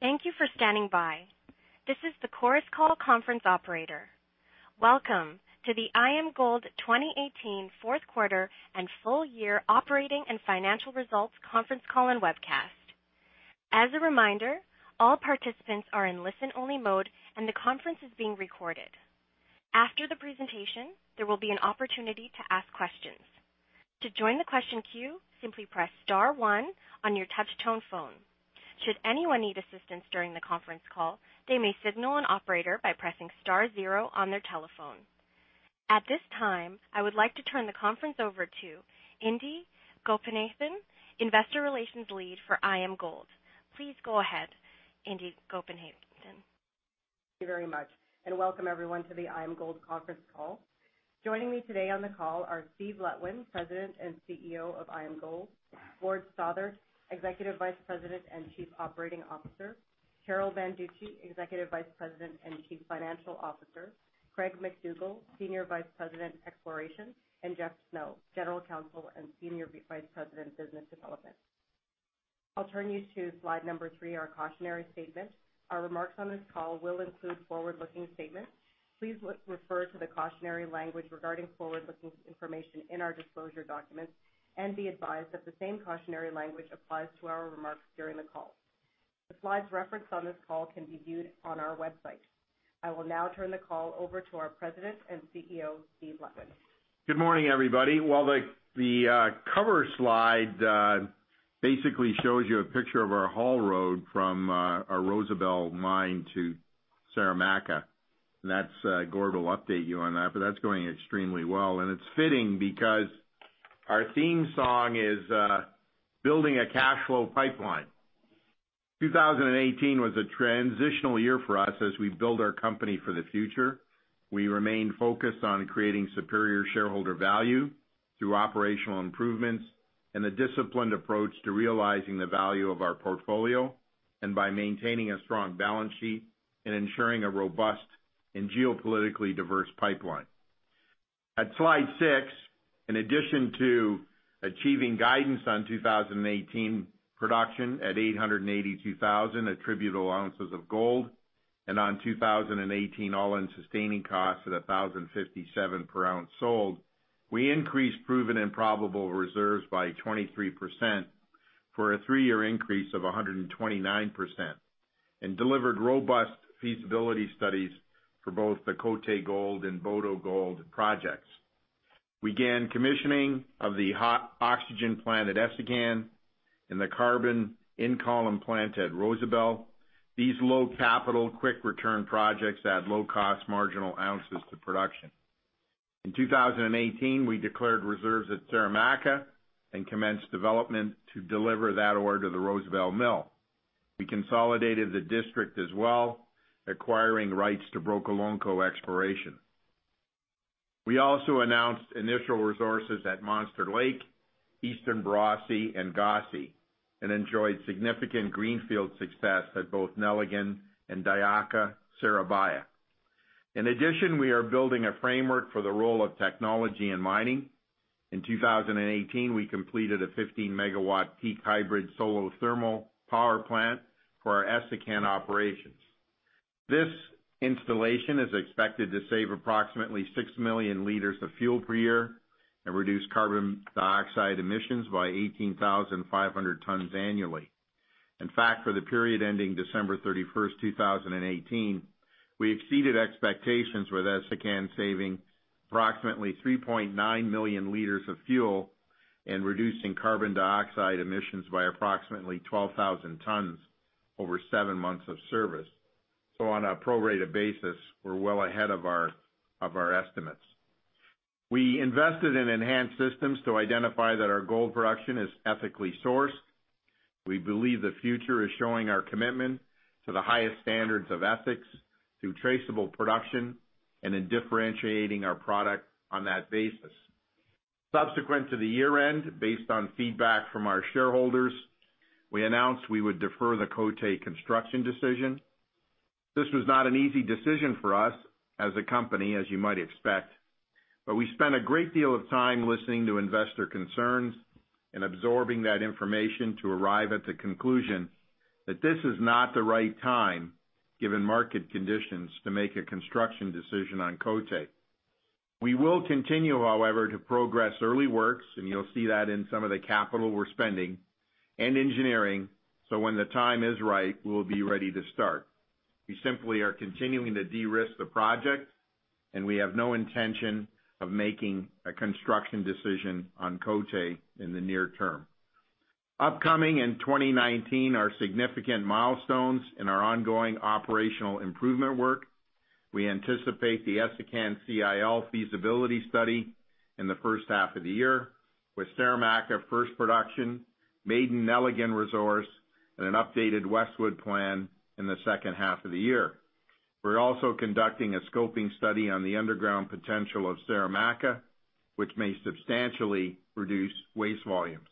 Thank you for standing by. This is the Chorus Call conference operator. Welcome to the IAMGOLD 2018 fourth quarter and full year operating and financial results conference call and webcast. As a reminder, all participants are in listen-only mode, and the conference is being recorded. After the presentation, there will be an opportunity to ask questions. To join the question queue, simply press star one on your touch-tone phone. Should anyone need assistance during the conference call, they may signal an operator by pressing star zero on their telephone. At this time, I would like to turn the conference over to Indi Gopinathan, investor relations lead for IAMGOLD. Please go ahead, Indi Gopinathan. Thank you very much. Welcome everyone to the IAMGOLD conference call. Joining me today on the call are Steve Letwin, President and CEO of IAMGOLD; Gord Stothart, Executive Vice President and Chief Operating Officer; Carol Banducci, Executive Vice President and Chief Financial Officer; Craig MacDougall, Senior Vice President, Exploration; and Jeff Snow, General Counsel and Senior Vice President, Business Development. I'll turn you to slide number three, our cautionary statement. Our remarks on this call will include forward-looking statements. Please refer to the cautionary language regarding forward-looking information in our disclosure documents. Be advised that the same cautionary language applies to our remarks during the call. The slides referenced on this call can be viewed on our website. I will now turn the call over to our President and CEO, Steve Letwin. Good morning, everybody. The cover slide basically shows you a picture of our haul road from our Rosebel mine to Saramacca. Gord will update you on that. That's going extremely well. It's fitting because our theme song is Building a Cash Flow Pipeline. 2018 was a transitional year for us as we build our company for the future. We remain focused on creating superior shareholder value through operational improvements and a disciplined approach to realizing the value of our portfolio, and by maintaining a strong balance sheet and ensuring a robust and geopolitically diverse pipeline. At slide six, in addition to achieving guidance on 2018 production at 882,000 attributable ounces of gold, and on 2018 all-in sustaining costs at $1,057 per ounce sold, we increased proven and probable reserves by 23%, for a three-year increase of 129%, and delivered robust feasibility studies for both the Côté Gold and Boto Gold projects. We began commissioning of the hot oxygen plant at Essakane and the carbon-in-column plant at Rosebel. These low capital, quick return projects add low cost marginal ounces to production. In 2018, we declared reserves at Saramacca and commenced development to deliver that ore to the Rosebel mill. We consolidated the district as well, acquiring rights to Brokolonko Exploration. We also announced initial resources at Monster Lake, Eastern Borosi, and Gossey, and enjoyed significant greenfield success at both Nelligan and Diakha, Siribaya. In addition, we are building a framework for the role of technology in mining. In 2018, we completed a 15-megawatt peak hybrid solar thermal power plant for our Essakane operations. This installation is expected to save approximately 6 million liters of fuel per year and reduce carbon dioxide emissions by 18,500 tons annually. For the period ending December 31, 2018, we exceeded expectations, with Essakane saving approximately 3.9 million liters of fuel and reducing carbon dioxide emissions by approximately 12,000 tons over 7 months of service. On a pro rata basis, we're well ahead of our estimates. We invested in enhanced systems to identify that our gold production is ethically sourced. We believe the future is showing our commitment to the highest standards of ethics through traceable production and in differentiating our product on that basis. Subsequent to the year-end, based on feedback from our shareholders, we announced we would defer the Côté construction decision. This was not an easy decision for us as a company, as you might expect, but we spent a great deal of time listening to investor concerns and absorbing that information to arrive at the conclusion that this is not the right time, given market conditions, to make a construction decision on Côté. We will continue, however, to progress early works, and you'll see that in some of the capital we're spending, and engineering, so when the time is right, we'll be ready to start. We simply are continuing to de-risk the project, and we have no intention of making a construction decision on Côté in the near term. Upcoming in 2019 are significant milestones in our ongoing operational improvement work. We anticipate the Essakane CIL feasibility study in the first half of the year, with Saramacca first production, maiden Nelligan resource, and an updated Westwood plan in the second half of the year. We're also conducting a scoping study on the underground potential of Saramacca, which may substantially reduce waste volumes.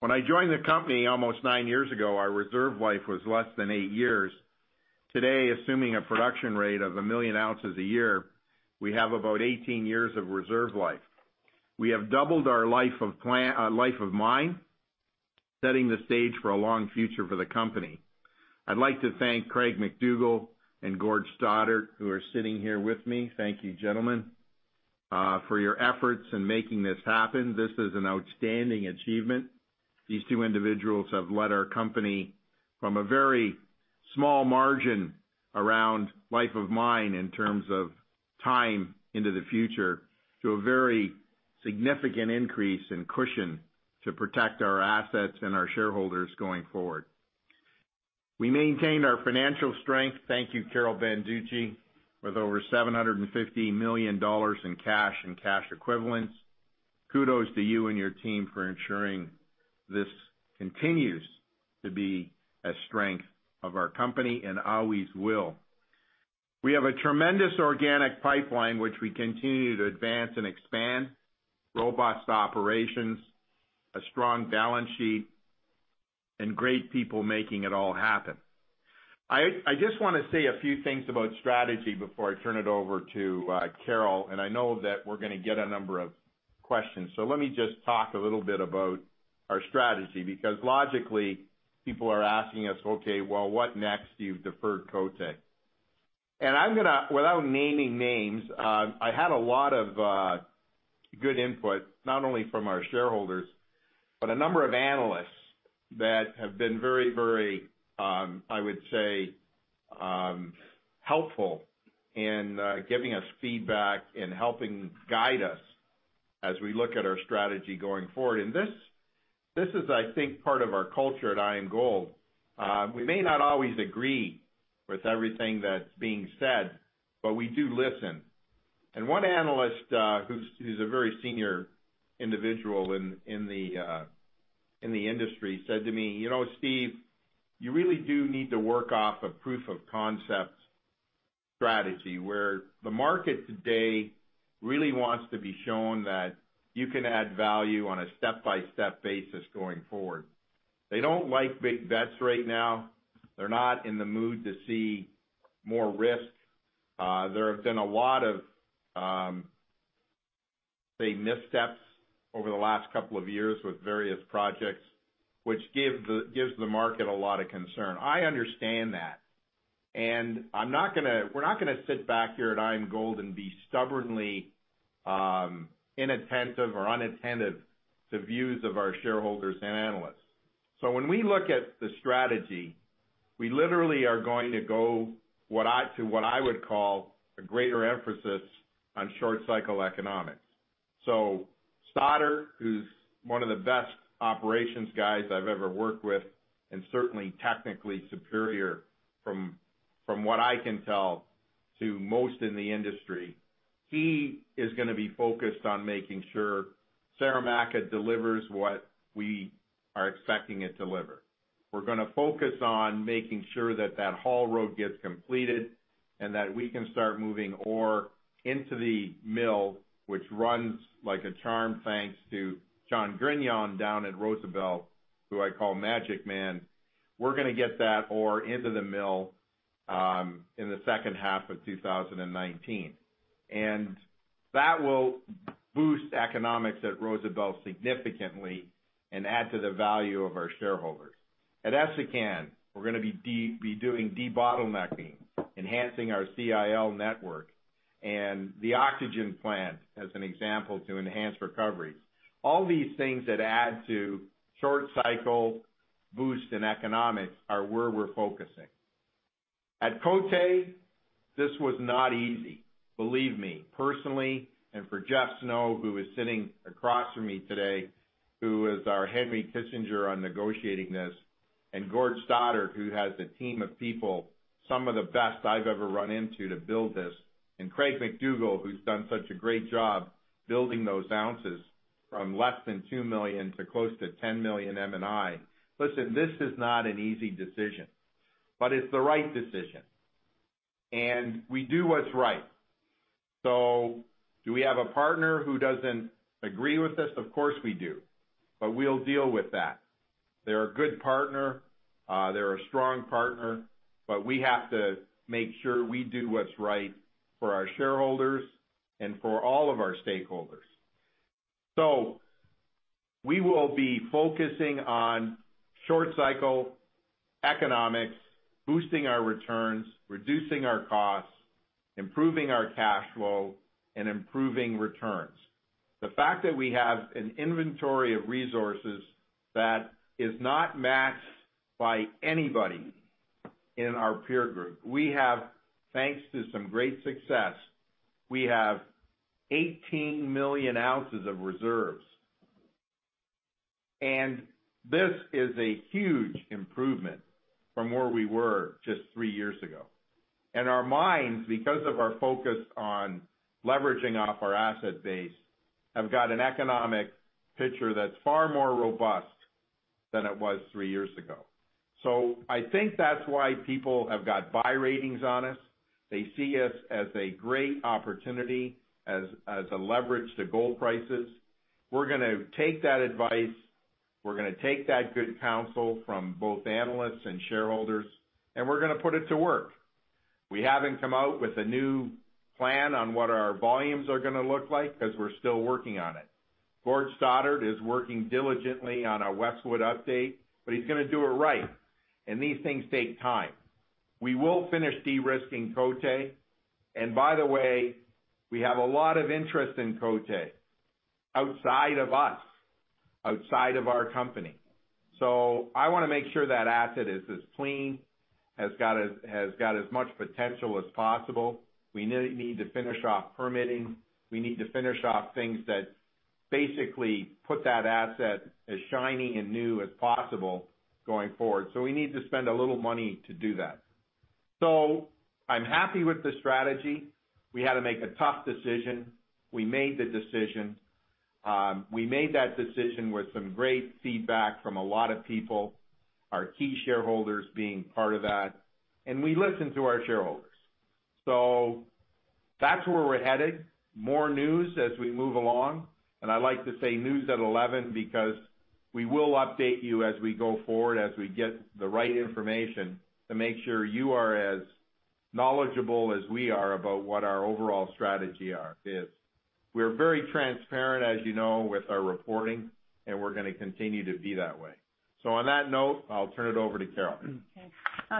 When I joined the company almost 9 years ago, our reserve life was less than 8 years. Today, assuming a production rate of a million ounces a year, we have about 18 years of reserve life. We have doubled our life of mine, setting the stage for a long future for the company. I'd like to thank Craig MacDougall and Gord Stothart, who are sitting here with me. Thank you, gentlemen, for your efforts in making this happen. This is an outstanding achievement. These two individuals have led our company from a very small margin around life of mine in terms of time into the future, to a very significant increase in cushion to protect our assets and our shareholders going forward. We maintained our financial strength. Thank you, Carol Banducci, with over $750 million in cash and cash equivalents. Kudos to you and your team for ensuring this continues to be a strength of our company and always will. We have a tremendous organic pipeline, which we continue to advance and expand, robust operations, a strong balance sheet, and great people making it all happen. I just want to say a few things about strategy before I turn it over to Carol, and I know that we're going to get a number of questions. Let me just talk a little bit about our strategy, because logically, people are asking us, "Okay, well, what next? You've deferred Côté." I'm going to, without naming names, I had a lot of good input, not only from our shareholders, but a number of analysts that have been very, I would say, helpful in giving us feedback and helping guide us as we look at our strategy going forward. This is, I think, part of our culture at IAMGOLD. We may not always agree with everything that's being said, but we do listen. One analyst, who's a very senior individual in the industry, said to me, "Steve, you really do need to work off a proof-of-concept strategy where the market today really wants to be shown that you can add value on a step-by-step basis going forward." They don't like big bets right now. They're not in the mood to see more risk. There have been a lot of, say, missteps over the last couple of years with various projects, which gives the market a lot of concern. I understand that. We're not going to sit back here at IAMGOLD and be stubbornly inattentive or unattentive to views of our shareholders and analysts. When we look at the strategy, we literally are going to go to what I would call a greater emphasis on short-cycle economics. Stothart, who's one of the best operations guys I've ever worked with, and certainly technically superior from what I can tell to most in the industry, he is going to be focused on making sure Saramacca delivers what we are expecting it to deliver. We're going to focus on making sure that that haul road gets completed and that we can start moving ore into the mill, which runs like a charm, thanks to John Grignon down at Rosebel, who I call Magic Man. We're going to get that ore into the mill in the second half of 2019. That will boost economics at Rosebel significantly and add to the value of our shareholders. At Essakane, we're going to be doing debottlenecking, enhancing our CIL network and the oxygen plant, as an example, to enhance recoveries. All these things that add to short-cycle boost in economics are where we're focusing. At Côté, this was not easy. Believe me, personally, and for Jeff Snow, who is sitting across from me today, who was our Henry Kissinger on negotiating this, and Gord Stothart, who has a team of people, some of the best I've ever run into to build this, and Craig MacDougall, who's done such a great job building those ounces from less than 2 million to close to 10 million M&I. Listen, this is not an easy decision, but it's the right decision, and we do what's right. Do we have a partner who doesn't agree with this? Of course, we do. We'll deal with that. They're a good partner. They're a strong partner. We have to make sure we do what's right for our shareholders and for all of our stakeholders. We will be focusing on short-cycle economics, boosting our returns, reducing our costs, improving our cash flow, and improving returns. The fact that we have an inventory of resources that is not matched by anybody in our peer group. We have, thanks to some great success, we have 18 million ounces of reserves. This is a huge improvement from where we were just three years ago. Our mines, because of our focus on leveraging off our asset base, have got an economic picture that is far more robust than it was three years ago. I think that is why people have got buy ratings on us. They see us as a great opportunity, as a leverage to gold prices. We are going to take that advice, we are going to take that good counsel from both analysts and shareholders, and we are going to put it to work. We haven't come out with a new plan on what our volumes are going to look like because we are still working on it. Gord Stothart is working diligently on our Westwood update, he is going to do it right, and these things take time. We will finish de-risking Côté. By the way, we have a lot of interest in Côté outside of us, outside of our company. I want to make sure that asset is as clean, has got as much potential as possible. We need to finish off permitting. We need to finish off things that basically put that asset as shiny and new as possible going forward. We need to spend a little money to do that. I am happy with the strategy. We had to make a tough decision. We made the decision. We made that decision with some great feedback from a lot of people, our key shareholders being part of that, and we listen to our shareholders. That is where we are headed. More news as we move along, I like to say news at 11 because we will update you as we go forward, as we get the right information to make sure you are as knowledgeable as we are about what our overall strategy is. We are very transparent, as you know, with our reporting, we are going to continue to be that way. On that note, I will turn it over to Carol.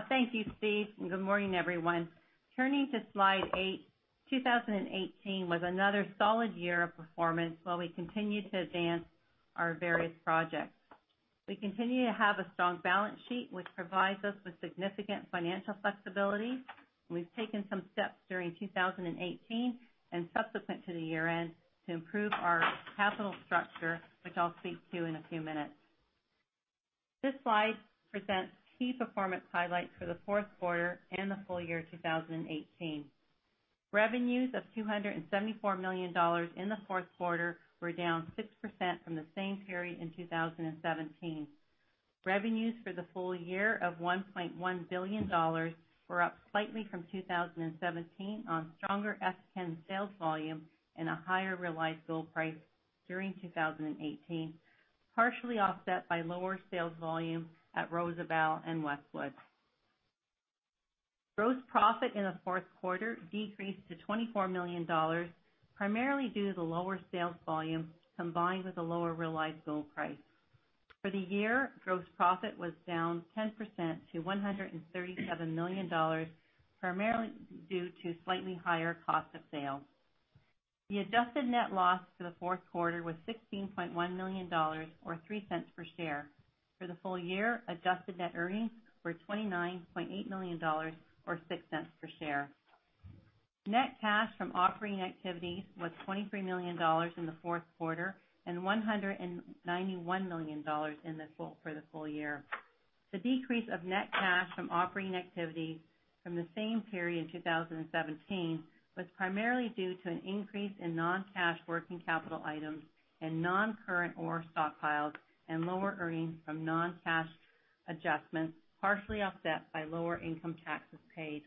Thank you, Steve, and good morning, everyone. Turning to slide eight, 2018 was another solid year of performance while we continued to advance our various projects. We continue to have a strong balance sheet, which provides us with significant financial flexibility. We have taken some steps during 2018 and subsequent to the year-end to improve our capital structure, which I will speak to in a few minutes. This slide presents key performance highlights for the fourth quarter and the full year 2018. Revenues of $274 million in the fourth quarter were down 6% from the same period in 2017. Revenues for the full year of $1.1 billion were up slightly from 2017 on stronger Essakane sales volume and a higher realized gold price during 2018, partially offset by lower sales volume at Rosebel and Westwood. Gross profit in the fourth quarter decreased to $24 million, primarily due to the lower sales volume, combined with a lower realized gold price. For the year, gross profit was down 10% to $137 million, primarily due to slightly higher cost of sales. The adjusted net loss for the fourth quarter was $16.1 million, or $0.03 per share. For the full year, adjusted net earnings were $29.8 million or $0.06 per share. Net cash from operating activities was $23 million in the fourth quarter and $191 million for the full year. The decrease of net cash from operating activity from the same period in 2017 was primarily due to an increase in non-cash working capital items and non-current ore stockpiles and lower earnings from non-cash adjustments, partially offset by lower income taxes paid.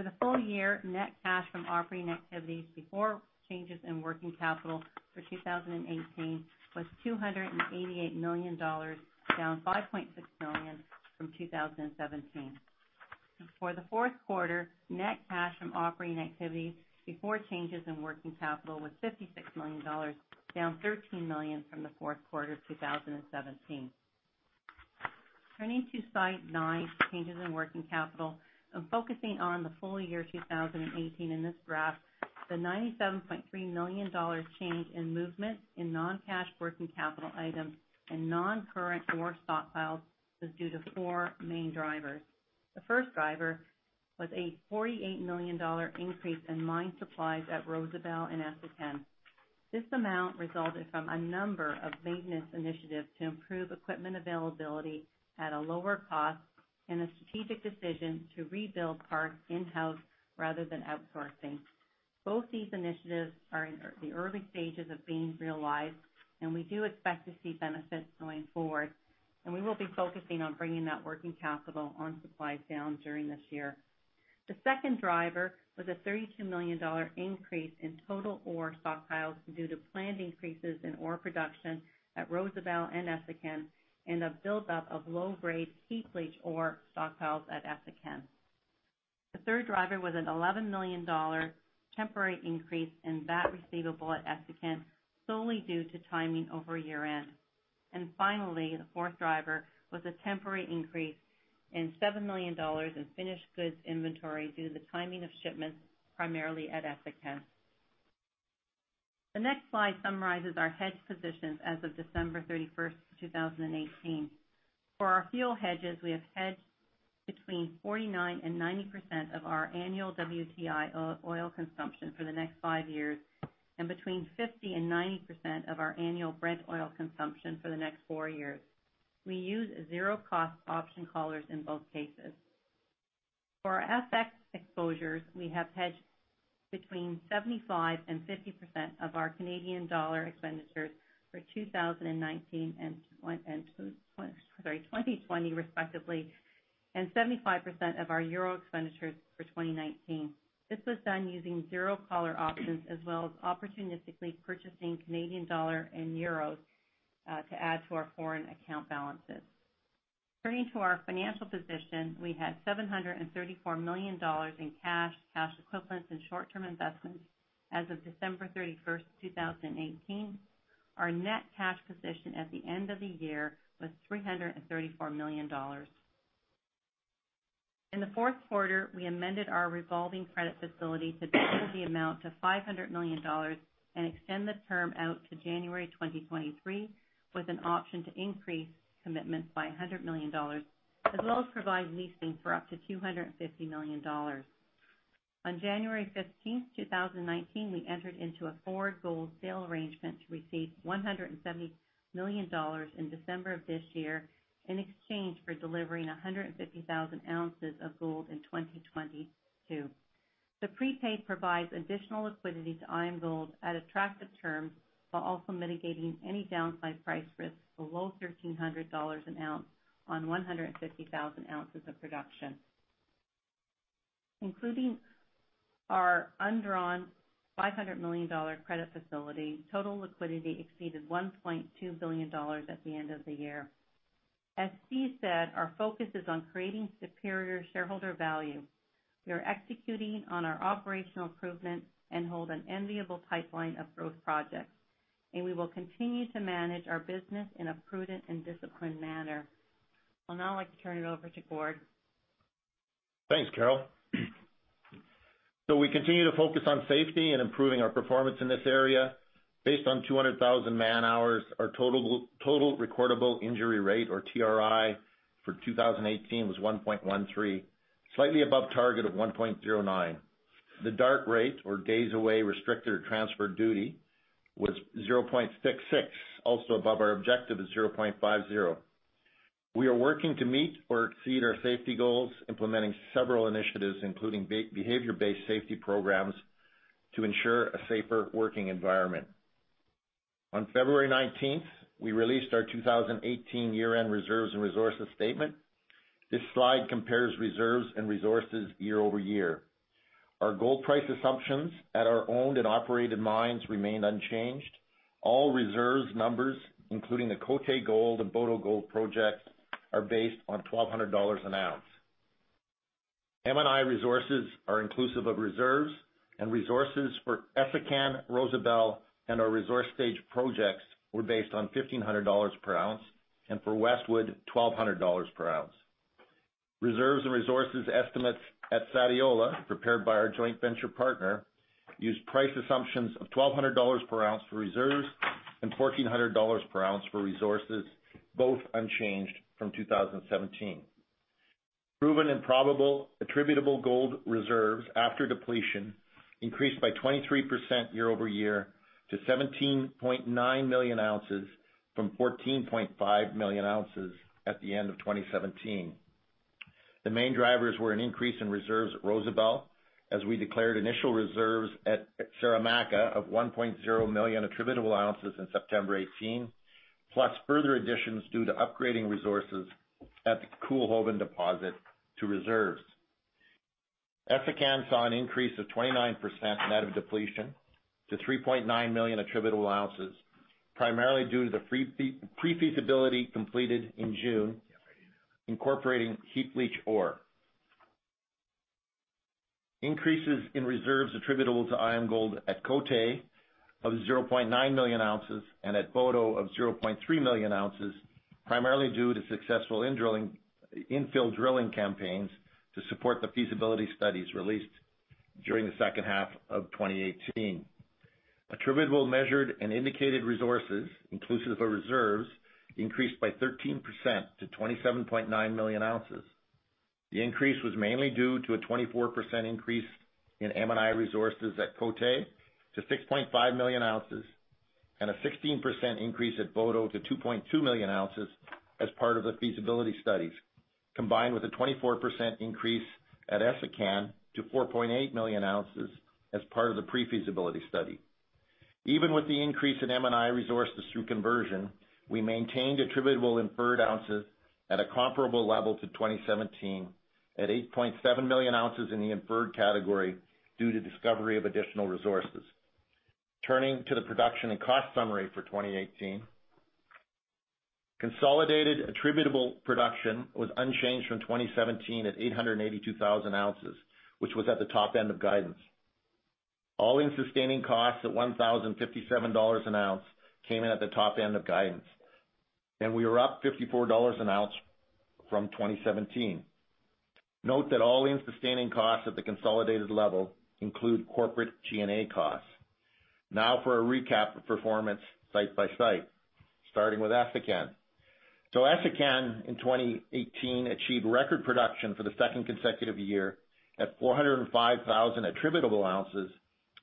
For the full year, net cash from operating activities before changes in working capital for 2018 was $288 million, down $5.6 million from 2017. For the fourth quarter, net cash from operating activities before changes in working capital was $56 million, down $13 million from the fourth quarter of 2017. Turning to slide nine, changes in working capital and focusing on the full year 2018 in this graph, the $97.3 million change in movement in non-cash working capital items and non-current ore stockpiles was due to four main drivers. The first driver was a $48 million increase in mine supplies at Rosebel and Essakane. This amount resulted from a number of maintenance initiatives to improve equipment availability at a lower cost and a strategic decision to rebuild parts in-house rather than outsourcing. Both these initiatives are in the early stages of being realized, and we do expect to see benefits going forward, and we will be focusing on bringing that working capital on supplies down during this year. The second driver was a $32 million increase in total ore stockpiles due to planned increases in ore production at Rosebel and Essakane and a buildup of low-grade heap leach ore stockpiles at Essakane. The third driver was an $11 million temporary increase in VAT receivable at Essakane, solely due to timing over year-end. Finally, the fourth driver was a temporary increase in $7 million in finished goods inventory due to the timing of shipments, primarily at Essakane. The next slide summarizes our hedge positions as of December 31st, 2018. For our fuel hedges, we have hedged between 49% and 90% of our annual WTI oil consumption for the next five years and between 50% and 90% of our annual Brent oil consumption for the next four years. We use zero-cost option collars in both cases. For our FX exposures, we have hedged between 75% and 50% of our CAD expenditures for 2019 and 2020, respectively, and 75% of our EUR expenditures for 2019. This was done using zero-collar options as well as opportunistically purchasing CAD and EUR, to add to our foreign account balances. Turning to our financial position, we had $734 million in cash equivalents, and short-term investments as of December 31st, 2018. Our net cash position at the end of the year was $334 million. In the fourth quarter, we amended our revolving credit facility to double the amount to $500 million and extend the term out to January 2023, with an option to increase commitment by $100 million, as well as provide leasing for up to $250 million. On January 15th, 2019, we entered into a forward gold sale arrangement to receive $170 million in December of this year in exchange for delivering 150,000 ounces of gold in 2022. The prepaid provides additional liquidity to IAMGOLD at attractive terms, while also mitigating any downside price risks below $1,300 an ounce on 150,000 ounces of production. Including our undrawn $500 million credit facility, total liquidity exceeded $1.2 billion at the end of the year. As Steve said, our focus is on creating superior shareholder value. We are executing on our operational improvements and hold an enviable pipeline of growth projects. We will continue to manage our business in a prudent and disciplined manner. I'd now like to turn it over to Gord. Thanks, Carol. We continue to focus on safety and improving our performance in this area. Based on 200,000 man-hours, our total recordable injury rate, or TRI, for 2018 was 1.13, slightly above target of 1.09. The DART rate, or days away restricted or transferred duty, was 0.66, also above our objective of 0.50. We are working to meet or exceed our safety goals, implementing several initiatives, including behavior-based safety programs, to ensure a safer working environment. On February 19th, we released our 2018 year-end reserves and resources statement. This slide compares reserves and resources year-over-year. Our gold price assumptions at our owned and operated mines remained unchanged. All reserves numbers, including the Côté Gold and Boto Gold projects, are based on $1,200 an ounce. M&I resources are inclusive of reserves, and resources for Essakane, Rosebel, and our resource stage projects were based on $1,500 per ounce, and for Westwood, $1,200 per ounce. Reserves and resources estimates at Sadiola, prepared by our joint venture partner, used price assumptions of $1,200 per ounce for reserves and $1,400 per ounce for resources, both unchanged from 2017. Proven and probable attributable gold reserves after depletion increased by 23% year-over-year to 17.9 million ounces from 14.5 million ounces at the end of 2017. The main drivers were an increase in reserves at Rosebel, as we declared initial reserves at Saramacca of 1.0 million attributable ounces in September 2018, plus further additions due to upgrading resources at the Koolhoven deposit to reserves. Essakane saw an increase of 29% net of depletion to 3.9 million attributable ounces, primarily due to the pre-feasibility completed in June incorporating heap leach ore. Increases in reserves attributable to IAMGOLD at Côté of 0.9 million ounces and at Boto of 0.3 million ounces, primarily due to successful infill drilling campaigns to support the feasibility studies released during the second half of 2018. Attributable measured and indicated resources, inclusive of reserves, increased by 13% to 27.9 million ounces. The increase was mainly due to a 24% increase in M&I resources at Côté to 6.5 million ounces and a 16% increase at Boto to 2.2 million ounces as part of the feasibility studies, combined with a 24% increase at Essakane to 4.8 million ounces as part of the pre-feasibility study. Even with the increase in M&I resources through conversion, we maintained attributable inferred ounces at a comparable level to 2017, at 8.7 million ounces in the inferred category due to discovery of additional resources. Turning to the production and cost summary for 2018. Consolidated attributable production was unchanged from 2017 at 882,000 ounces, which was at the top end of guidance. All-in sustaining costs at $1,057 an ounce came in at the top end of guidance, and we were up $54 an ounce from 2017. Note that all-in sustaining costs at the consolidated level include corporate G&A costs. Now for a recap of performance site by site, starting with Essakane. Essakane in 2018 achieved record production for the second consecutive year at 405,000 attributable ounces,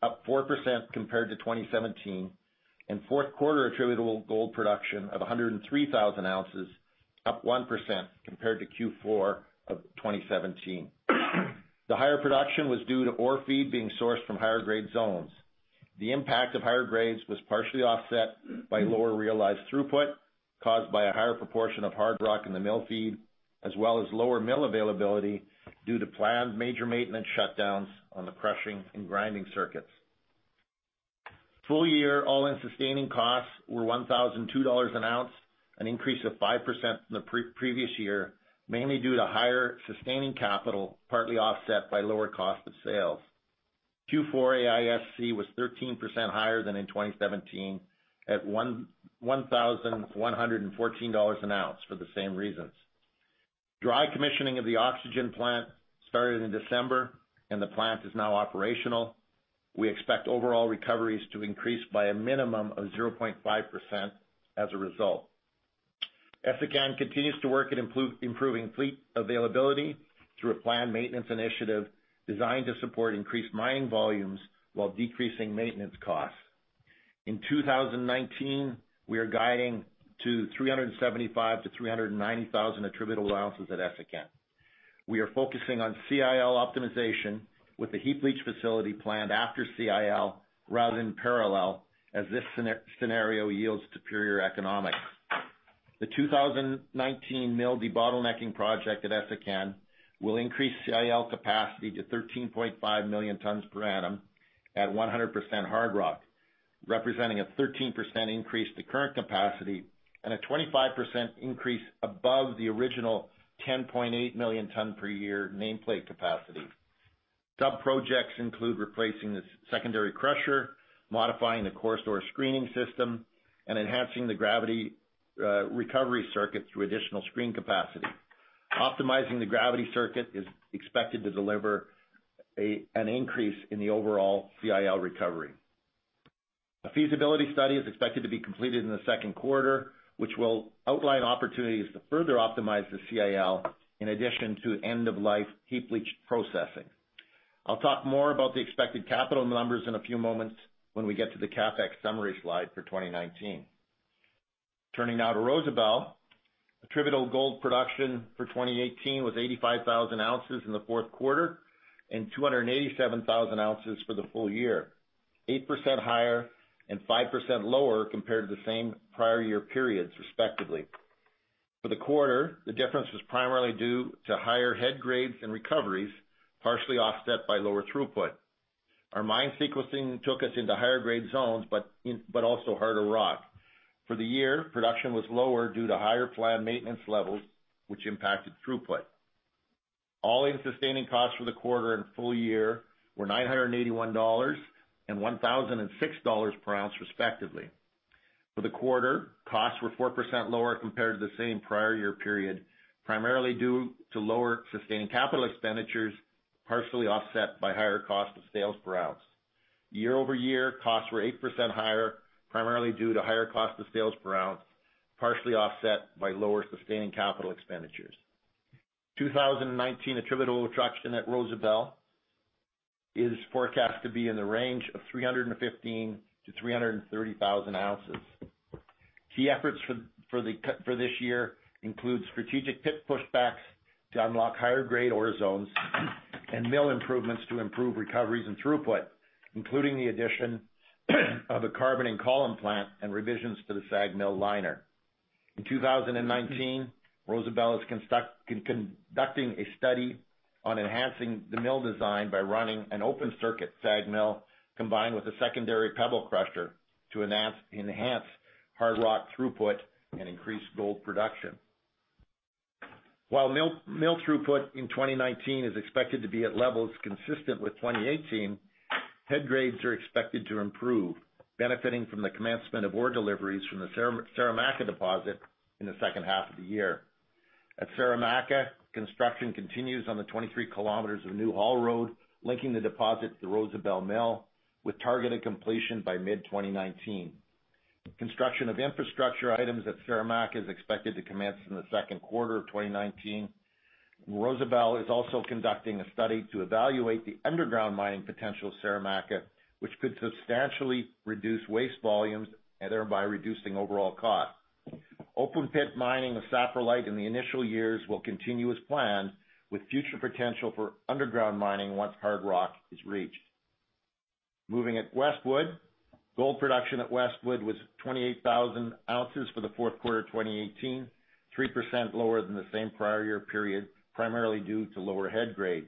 up 4% compared to 2017. Fourth quarter attributable gold production of 103,000 ounces, up 1% compared to Q4 of 2017. The higher production was due to ore feed being sourced from higher grade zones. The impact of higher grades was partially offset by lower realized throughput, caused by a higher proportion of hard rock in the mill feed, as well as lower mill availability due to planned major maintenance shutdowns on the crushing and grinding circuits. Full year all-in sustaining costs were $1,002 an ounce, an increase of 5% from the previous year, mainly due to higher sustaining capital, partly offset by lower cost of sales. Q4 AISC was 13% higher than in 2017, at $1,114 an ounce for the same reasons. Dry commissioning of the oxygen plant started in December, and the plant is now operational. We expect overall recoveries to increase by a minimum of 0.5% as a result. Essakane continues to work at improving fleet availability through a planned maintenance initiative designed to support increased mining volumes while decreasing maintenance costs. In 2019, we are guiding to 375,000-390,000 attributable ounces at Essakane. We are focusing on CIL optimization with the heap leach facility planned after CIL rather than parallel, as this scenario yields superior economics. The 2019 mill de-bottlenecking project at Essakane will increase CIL capacity to 13.5 million tons per annum at 100% hard rock, representing a 13% increase to current capacity and a 25% increase above the original 10.8 million ton per year nameplate capacity. Sub-projects include replacing the secondary crusher, modifying the coarse ore screening system, and enhancing the gravity recovery circuit through additional screen capacity. Optimizing the gravity circuit is expected to deliver an increase in the overall CIL recovery. A feasibility study is expected to be completed in the second quarter, which will outline opportunities to further optimize the CIL in addition to end-of-life heap leach processing. I'll talk more about the expected capital numbers in a few moments when we get to the CapEx summary slide for 2019. Turning now to Rosebel. Attributable gold production for 2018 was 85,000 ounces in the fourth quarter and 287,000 ounces for the full year. 8% higher and 5% lower compared to the same prior year periods, respectively. For the quarter, the difference was primarily due to higher head grades and recoveries, partially offset by lower throughput. Our mine sequencing took us into higher grade zones, but also harder rock. For the year, production was lower due to higher planned maintenance levels, which impacted throughput. All-in sustaining costs for the quarter and full year were $981 and $1,006 per ounce, respectively. For the quarter, costs were 4% lower compared to the same prior year period, primarily due to lower sustained capital expenditures, partially offset by higher cost of sales per ounce. Year-over-year, costs were 8% higher, primarily due to higher cost of sales per ounce, partially offset by lower sustaining capital expenditures. 2019 attributable production at Rosebel is forecast to be in the range of 315,000-330,000 ounces. Key efforts for this year includes strategic pit pushbacks to unlock higher grade ore zones and mill improvements to improve recoveries and throughput, including the addition of a carbon-in-column plant and revisions to the SAG mill liner. In 2019, Rosebel is conducting a study on enhancing the mill design by running an open circuit SAG mill, combined with a secondary pebble crusher to enhance hard rock throughput and increase gold production. While mill throughput in 2019 is expected to be at levels consistent with 2018, head grades are expected to improve, benefiting from the commencement of ore deliveries from the Saramacca deposit in the second half of the year. At Saramacca, construction continues on the 23 km of new haul road linking the deposit to the Rosebel mill, with targeted completion by mid-2019. Construction of infrastructure items at Saramacca is expected to commence in the second quarter of 2019. Rosebel is also conducting a study to evaluate the underground mining potential of Saramacca, which could substantially reduce waste volumes and thereby reducing overall cost. Open pit mining of saprolite in the initial years will continue as planned, with future potential for underground mining once hard rock is reached. Moving at Westwood. Gold production at Westwood was 28,000 ounces for the fourth quarter 2018, 3% lower than the same prior year period, primarily due to lower head grade.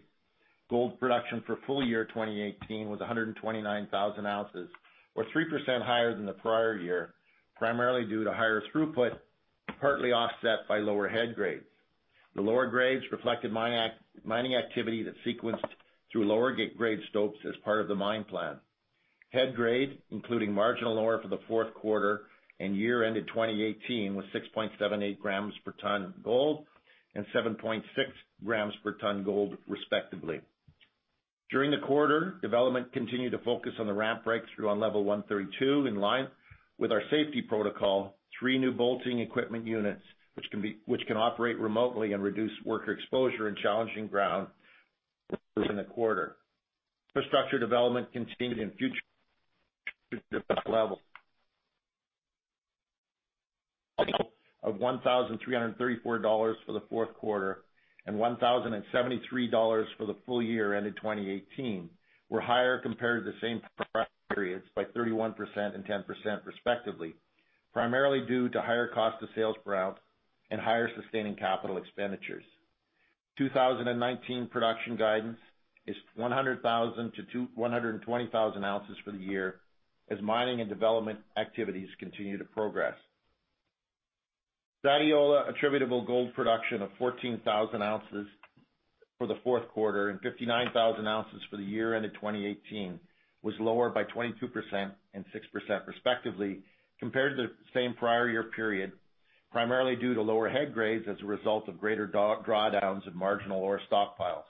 Gold production for full year 2018 was 129,000 ounces, or 3% higher than the prior year, primarily due to higher throughput, partly offset by lower head grades. The lower grades reflected mining activity that sequenced through lower grade stopes as part of the mine plan. Head grade, including marginal ore for the fourth quarter and year ended 2018, was 6.78 grams per ton gold and 7.6 grams per ton gold, respectively. During the quarter, development continued to focus on the ramp breakthrough on level 132. In line with our safety protocol, three new bolting equipment units, which can operate remotely and reduce worker exposure in challenging ground. Infrastructure development continued in future levels. Of $1,334 for the fourth quarter and $1,073 for the full year ended 2018, were higher compared to the same periods by 31% and 10% respectively, primarily due to higher cost of sales per ounce and higher sustaining capital expenditures. 2019 production guidance is 100,000 to 120,000 ounces for the year as mining and development activities continue to progress. Sadiola attributable gold production of 14,000 ounces for the fourth quarter and 59,000 ounces for the year ended 2018, was lower by 22% and 6% respectively compared to the same prior year period, primarily due to lower head grades as a result of greater drawdowns in marginal ore stockpiles.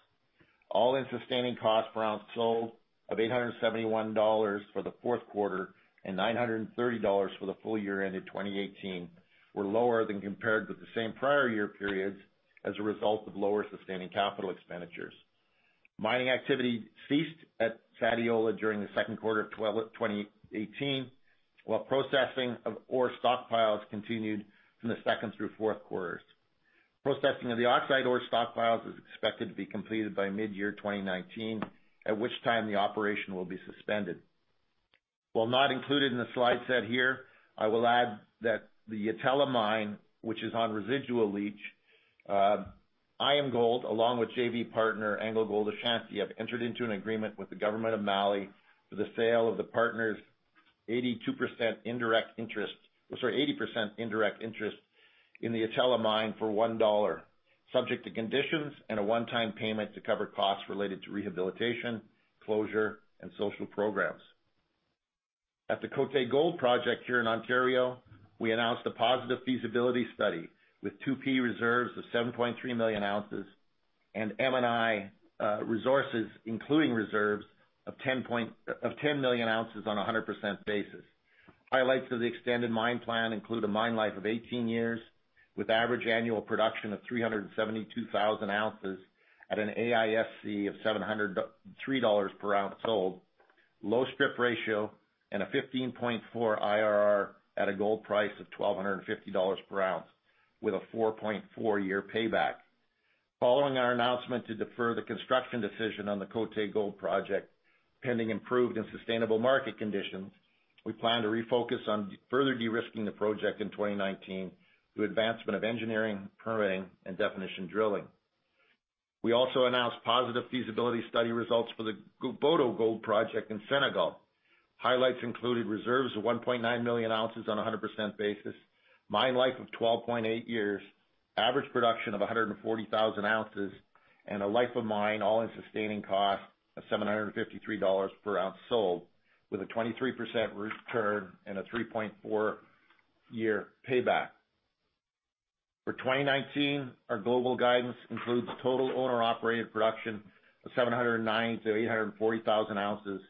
All-in sustaining cost per ounce sold of $871 for the fourth quarter and $930 for the full year ended 2018, were lower than compared with the same prior year periods as a result of lower sustaining capital expenditures. Mining activity ceased at Sadiola during the second quarter of 2018, while processing of ore stockpiles continued from the second through fourth quarters. Processing of the oxide ore stockpiles is expected to be completed by mid-year 2019, at which time the operation will be suspended. While not included in the slide set here, I will add that the Yatela mine, which is on residual leach, IAMGOLD, along with JV partner AngloGold Ashanti, have entered into an agreement with the government of Mali for the sale of the partners' 80% indirect interest in the Yatela mine for $1, subject to conditions and a one-time payment to cover costs related to rehabilitation, closure, and social programs. At the Côté Gold Project here in Ontario, we announced a positive feasibility study with 2P reserves of 7.3 million ounces and M&I resources, including reserves of 10 million ounces on 100% basis. Highlights of the extended mine plan include a mine life of 18 years, with average annual production of 372,000 ounces at an AISC of $703 per ounce sold, low strip ratio, and a 15.4 IRR at a gold price of $1,250 per ounce with a 4.4-year payback. Following our announcement to defer the construction decision on the Côté Gold Project, pending improved and sustainable market conditions, we plan to refocus on further de-risking the project in 2019 through advancement of engineering, permitting, and definition drilling. We also announced positive feasibility study results for the Boto Gold project in Senegal. Highlights included reserves of 1.9 million ounces on 100% basis, mine life of 12.8 years, average production of 140,000 ounces, and a life of mine all-in sustaining cost of $753 per ounce sold, with a 23% return and a 3.4-year payback. For 2019, our global guidance includes total owner operated production of 709 to 840,000 ounces,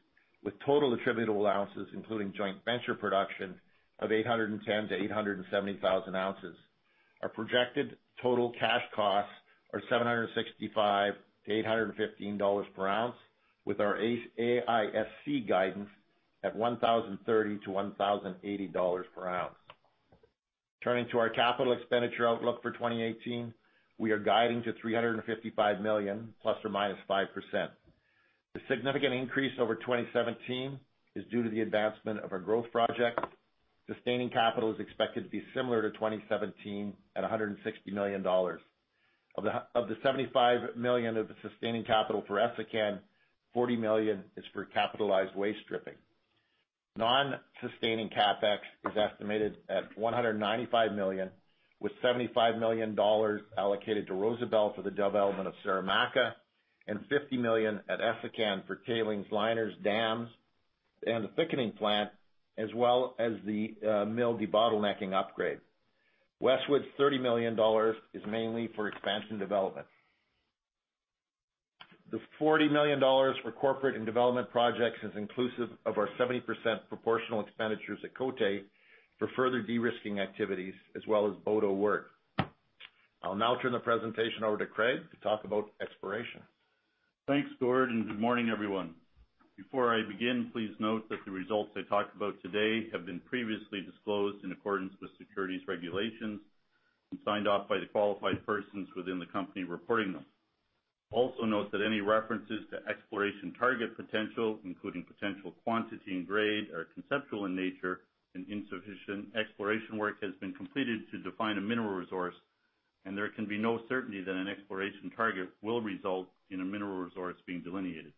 with total attributable ounces, including joint venture production of 810 to 870,000 ounces. Our projected total cash costs are $765 to $815 per ounce, with our AISC guidance at $1,030 to $1,080 per ounce. Turning to our capital expenditure outlook for 2018, we are guiding to $355 million ±5%. The significant increase over 2017 is due to the advancement of our growth project. Sustaining capital is expected to be similar to 2017 at $160 million. Of the $75 million of sustaining capital for Essakane, $40 million is for capitalized waste stripping. Non-sustaining CapEx is estimated at $195 million, with $75 million allocated to Rosebel for the development of Saramacca, and $50 million at Essakane for tailings, liners, dams, and the thickening plant, as well as the mill debottlenecking upgrade. Westwood's $30 million is mainly for expansion development. The $40 million for corporate and development projects is inclusive of our 70% proportional expenditures at Côté for further de-risking activities as well as Boto work. I'll now turn the presentation over to Craig to talk about exploration. Thanks, Gord, and good morning, everyone. Before I begin, please note that the results I talk about today have been previously disclosed in accordance with securities regulations and signed off by the qualified persons within the company reporting them. Also note that any references to exploration target potential, including potential quantity and grade, are conceptual in nature, and insufficient exploration work has been completed to define a mineral resource, and there can be no certainty that an exploration target will result in a mineral resource being delineated.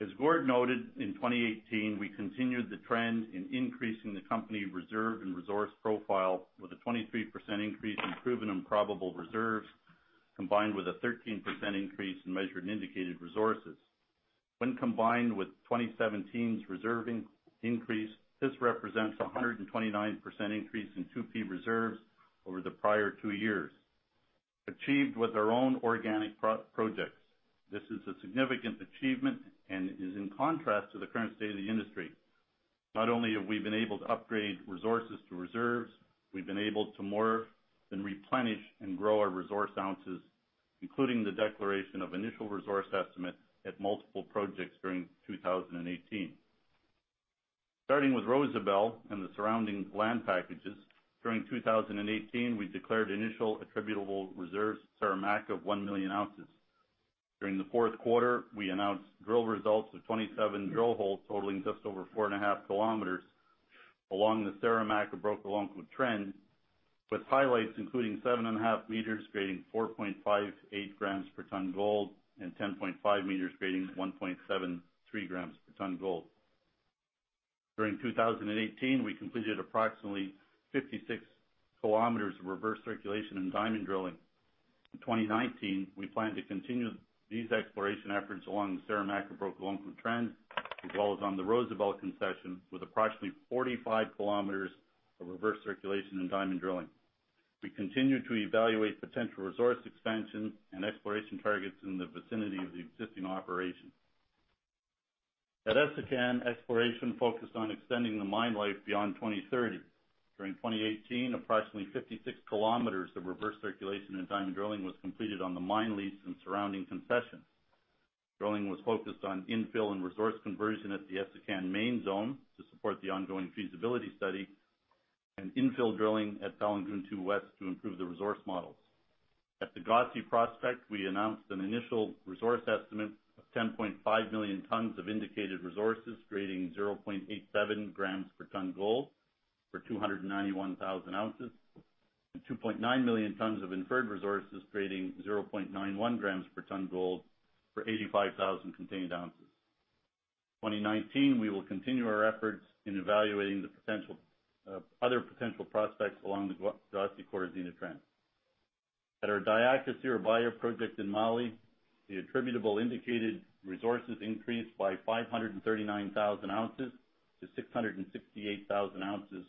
As Gord noted, in 2018, we continued the trend in increasing the company reserve and resource profile with a 23% increase in proven and probable reserves, combined with a 13% increase in measured and indicated resources. When combined with 2017's reserve increase, this represents a 129% increase in 2P reserves over the prior two years, achieved with our own organic projects. This is a significant achievement and is in contrast to the current state of the industry. Not only have we been able to upgrade resources to reserves, we've been able to morph and replenish and grow our resource ounces, including the declaration of initial resource estimate at multiple projects during 2018. Starting with Rosebel and the surrounding land packages, during 2018, we declared initial attributable reserves, Saramacca, of one million ounces. During the fourth quarter, we announced drill results of 27 drill holes totaling just over four and a half kilometers along the Saramacca-Brokolonko trend, with highlights including seven and a half meters grading 4.58 grams per ton gold and 10.5 meters grading 1.73 grams per ton gold. During 2018, we completed approximately 56 kilometers of reverse circulation and diamond drilling. In 2019, we plan to continue these exploration efforts along the Saramacca-Brokolonko trend, as well as on the Rosebel concession, with approximately 45 kilometers of reverse circulation and diamond drilling. We continue to evaluate potential resource expansion and exploration targets in the vicinity of the existing operation. At Essakane, exploration focused on extending the mine life beyond 2030. During 2018, approximately 56 kilometers of reverse circulation and diamond drilling was completed on the mine lease and surrounding concessions. Drilling was focused on infill and resource conversion at the Essakane main zone to support the ongoing feasibility study and infill drilling at Falagountou 2 West to improve the resource models. At the Ghazi prospect, we announced an initial resource estimate of 10.5 million tons of indicated resources grading 0.87 grams per ton gold for 291,000 ounces and 2.9 million tons of inferred resources grading 0.91 grams per ton gold for 85,000 contained ounces. 2019, we will continue our efforts in evaluating other potential prospects along the Ghazi corridor trend. At our Diakha project in Mali, the attributable indicated resources increased by 539,000 ounces to 668,000 ounces,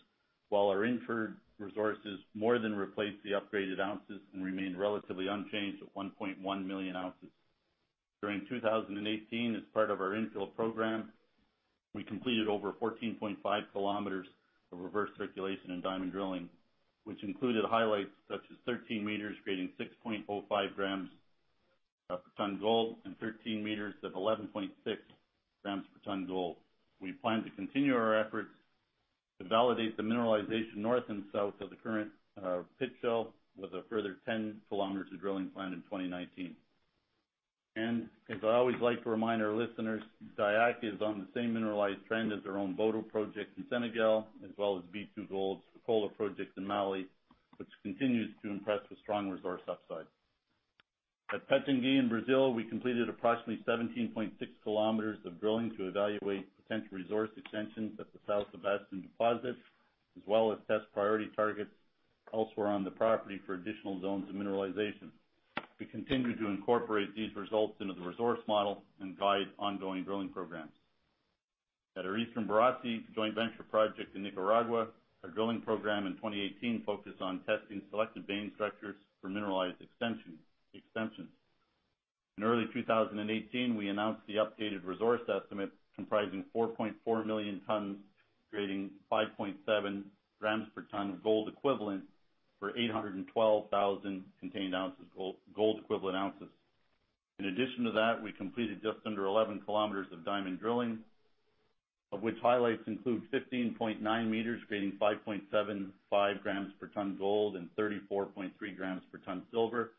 while our inferred resources more than replaced the upgraded ounces and remained relatively unchanged at 1.1 million ounces. During 2018, as part of our infill program, we completed over 14.5 kilometers of reverse circulation and diamond drilling, which included highlights such as 13 meters grading 6.05 grams per ton gold and 13 meters of 11.6 grams per ton gold. We plan to continue our efforts to validate the mineralization north and south of the current pit shell with a further 10 kilometers of drilling planned in 2019. As I always like to remind our listeners, Diakha is on the same mineralized trend as our own Boto project in Senegal, as well as B2Gold's Fekola project in Mali, which continues to impress with strong resource upside. At Pitangui in Brazil, we completed approximately 17.6 kilometers of drilling to evaluate potential resource extensions at the São Sebastião deposit, as well as test priority targets elsewhere on the property for additional zones of mineralization. We continue to incorporate these results into the resource model and guide ongoing drilling programs. At our Eastern Borosi joint venture project in Nicaragua, our drilling program in 2018 focused on testing selective vein structures for mineralized extensions. In early 2018, we announced the updated resource estimate comprising 4.4 million tons grading 5.7 grams per ton gold equivalent for 812,000 contained ounces, gold equivalent ounces. In addition to that, we completed just under 11 kilometers of diamond drilling, of which highlights include 15.9 meters grading 5.75 grams per ton gold and 34.3 grams per ton silver,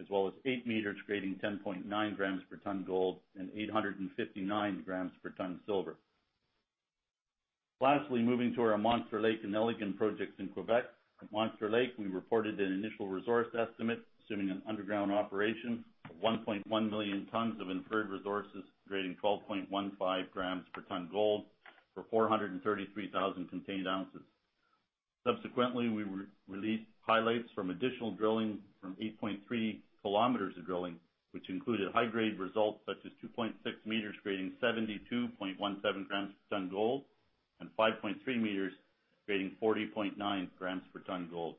as well as eight meters grading 10.9 grams per ton gold and 859 grams per ton silver. Lastly, moving to our Monster Lake and Nelligan projects in Quebec. At Monster Lake, we reported an initial resource estimate assuming an underground operation of 1.1 million tons of inferred resources grading 12.15 grams per ton gold for 433,000 contained ounces. Subsequently, we released highlights from additional drilling from 8.3 kilometers of drilling, which included high-grade results such as 2.6 meters grading 72.17 grams per ton gold and 5.3 meters grading 40.9 grams per ton gold.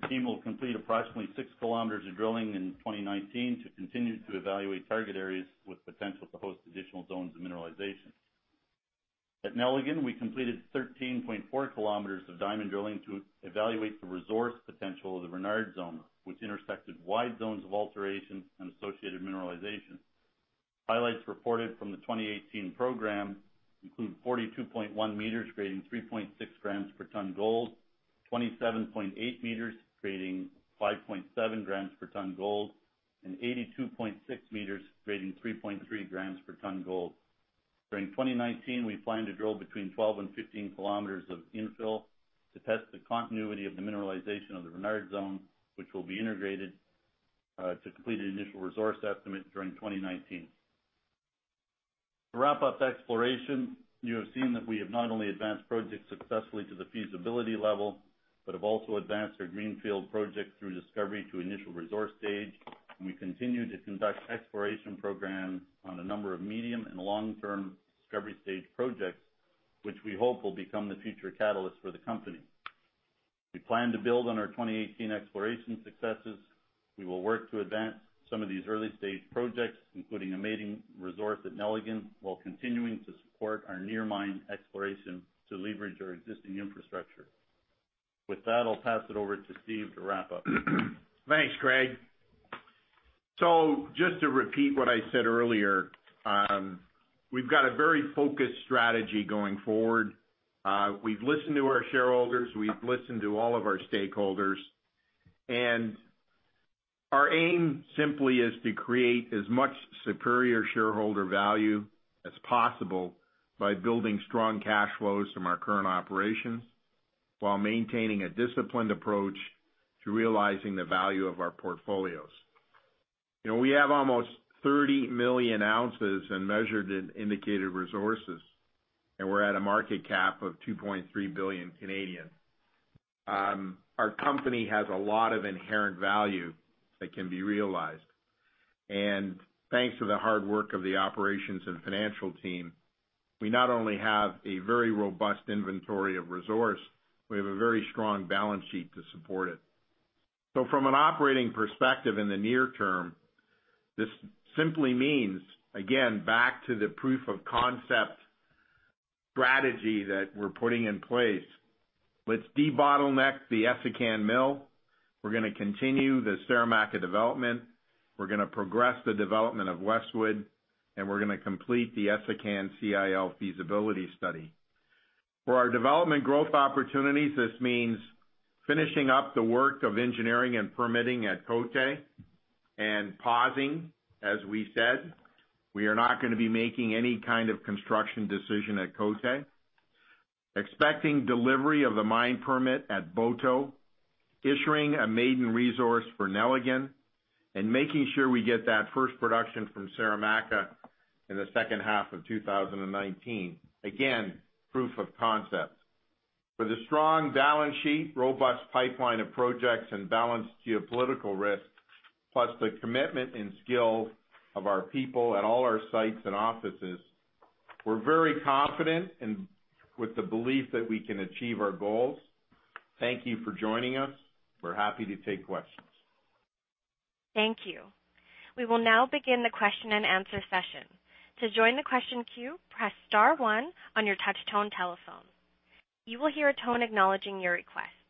The team will complete approximately six kilometers of drilling in 2019 to continue to evaluate target areas with potential to host additional zones of mineralization. At Nelligan, we completed 13.4 kilometers of diamond drilling to evaluate the resource potential of the Renard Zone, which intersected wide zones of alteration and associated mineralization. Highlights reported from the 2018 program include 42.1 meters grading 3.6 grams per ton gold, 27.8 meters grading 5.7 grams per ton gold, and 82.6 meters grading 3.3 grams per ton gold. During 2019, we plan to drill between 12 and 15 kilometers of infill to test the continuity of the mineralization of the Renard Zone, which will be integrated to complete an initial resource estimate during 2019. To wrap up exploration, you have seen that we have not only advanced projects successfully to the feasibility level, but have also advanced our greenfield projects through discovery to initial resource stage. We continue to conduct exploration programs on a number of medium and long-term discovery stage projects, which we hope will become the future catalyst for the company. We plan to build on our 2018 exploration successes. We will work to advance some of these early-stage projects, including a maiden resource at Nelligan, while continuing to support our near mine exploration to leverage our existing infrastructure. With that, I'll pass it over to Steve to wrap up. Thanks, Craig. Just to repeat what I said earlier, we've got a very focused strategy going forward. We've listened to our shareholders, we've listened to all of our stakeholders. Our aim simply is to create as much superior shareholder value as possible by building strong cash flows from our current operations while maintaining a disciplined approach to realizing the value of our portfolios. We have almost 30 million ounces in measured and indicated resources, and we're at a market cap of 2.3 billion. Our company has a lot of inherent value that can be realized. Thanks to the hard work of the operations and financial team, we not only have a very robust inventory of resource, we have a very strong balance sheet to support it. From an operating perspective in the near term, this simply means, again, back to the proof of concept strategy that we're putting in place. Let's debottleneck the Essakane Mill. We're going to continue the Saramacca development. We're going to progress the development of Westwood, and we're going to complete the Essakane CIL feasibility study. For our development growth opportunities, this means finishing up the work of engineering and permitting at Côté and pausing, as we said. We are not going to be making any kind of construction decision at Côté. Expecting delivery of the mine permit at Boto, issuing a maiden resource for Nelligan, and making sure we get that first production from Saramacca in the second half of 2019. Again, proof of concept. With a strong balance sheet, robust pipeline of projects, and balanced geopolitical risk, plus the commitment and skill of our people at all our sites and offices, we're very confident and with the belief that we can achieve our goals. Thank you for joining us. We're happy to take questions. Thank you. We will now begin the question and answer session. To join the question queue, press star one on your touchtone telephone. You will hear a tone acknowledging your request.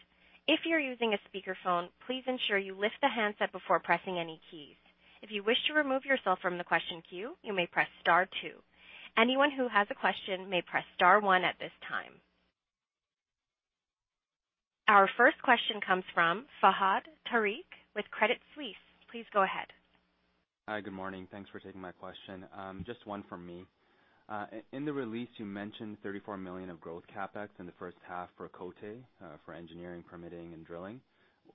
If you're using a speakerphone, please ensure you lift the handset before pressing any keys. If you wish to remove yourself from the question queue, you may press star two. Anyone who has a question may press star one at this time. Our first question comes from Fahad Tariq with Credit Suisse. Please go ahead. Hi. Good morning. Thanks for taking my question. Just one from me. In the release, you mentioned $34 million of growth CapEx in the first half for Côté, for engineering, permitting, and drilling.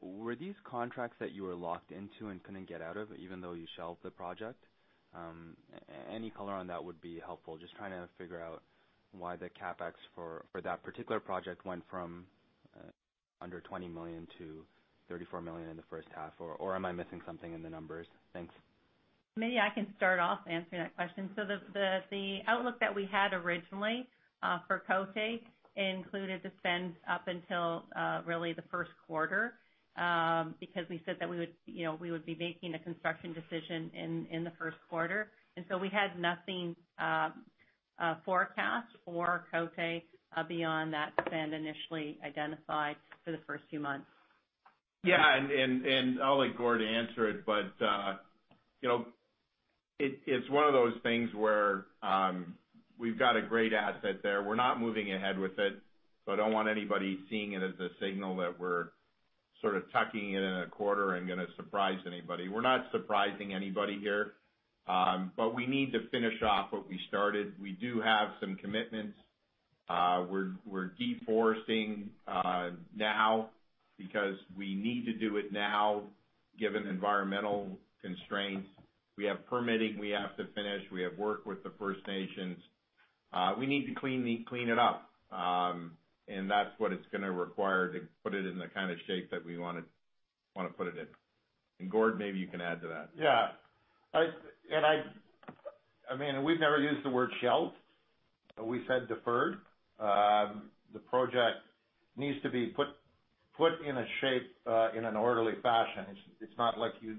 Were these contracts that you were locked into and couldn't get out of, even though you shelved the project? Any color on that would be helpful. Just trying to figure out why the CapEx for that particular project went from under $20 million to $34 million in the first half, or am I missing something in the numbers? Thanks. Maybe I can start off answering that question. The outlook that we had originally, for Côté, included the spend up until really the first quarter, because we said that we would be making a construction decision in the first quarter. We had nothing forecast for Côté beyond that spend initially identified for the first few months. Yeah, I'll let Gord answer it, but it's one of those things where we've got a great asset there. We're not moving ahead with it, so I don't want anybody seeing it as a signal that we're sort of tucking it in a quarter and going to surprise anybody. We're not surprising anybody here. We need to finish off what we started. We do have some commitments. We're deforesting now because we need to do it now, given environmental constraints. We have permitting we have to finish. We have work with the First Nations. We need to clean it up, and that's what it's going to require to put it in the kind of shape that we want to put it in. Gord, maybe you can add to that. Yeah. We've never used the word shelved. We said deferred. The project needs to be put in a shape, in an orderly fashion. It's not like you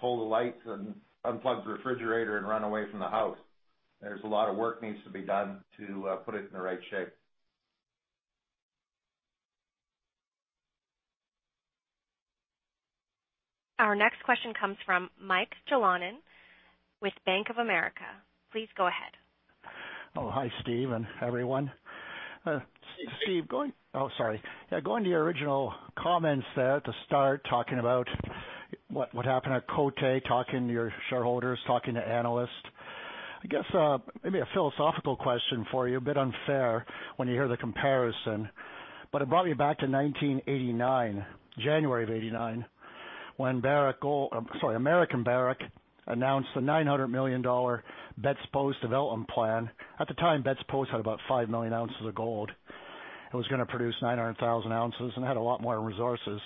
pull the lights and unplug the refrigerator and run away from the house. There's a lot of work needs to be done to put it in the right shape. Our next question comes from Michael Jalonen with Bank of America. Please go ahead. Oh, hi, Steve and everyone. Steve. Steve, going to your original comments there to start talking about what happened at Côté, talking to your shareholders, talking to analysts. I guess, maybe a philosophical question for you, a bit unfair when you hear the comparison, but it brought me back to 1989, January of 1989, when Barrick Gold, sorry, American Barrick, announced the $900 million Betze-Post development plan. At the time, Betze-Post had about five million ounces of gold. It was going to produce 900,000 ounces and had a lot more resources.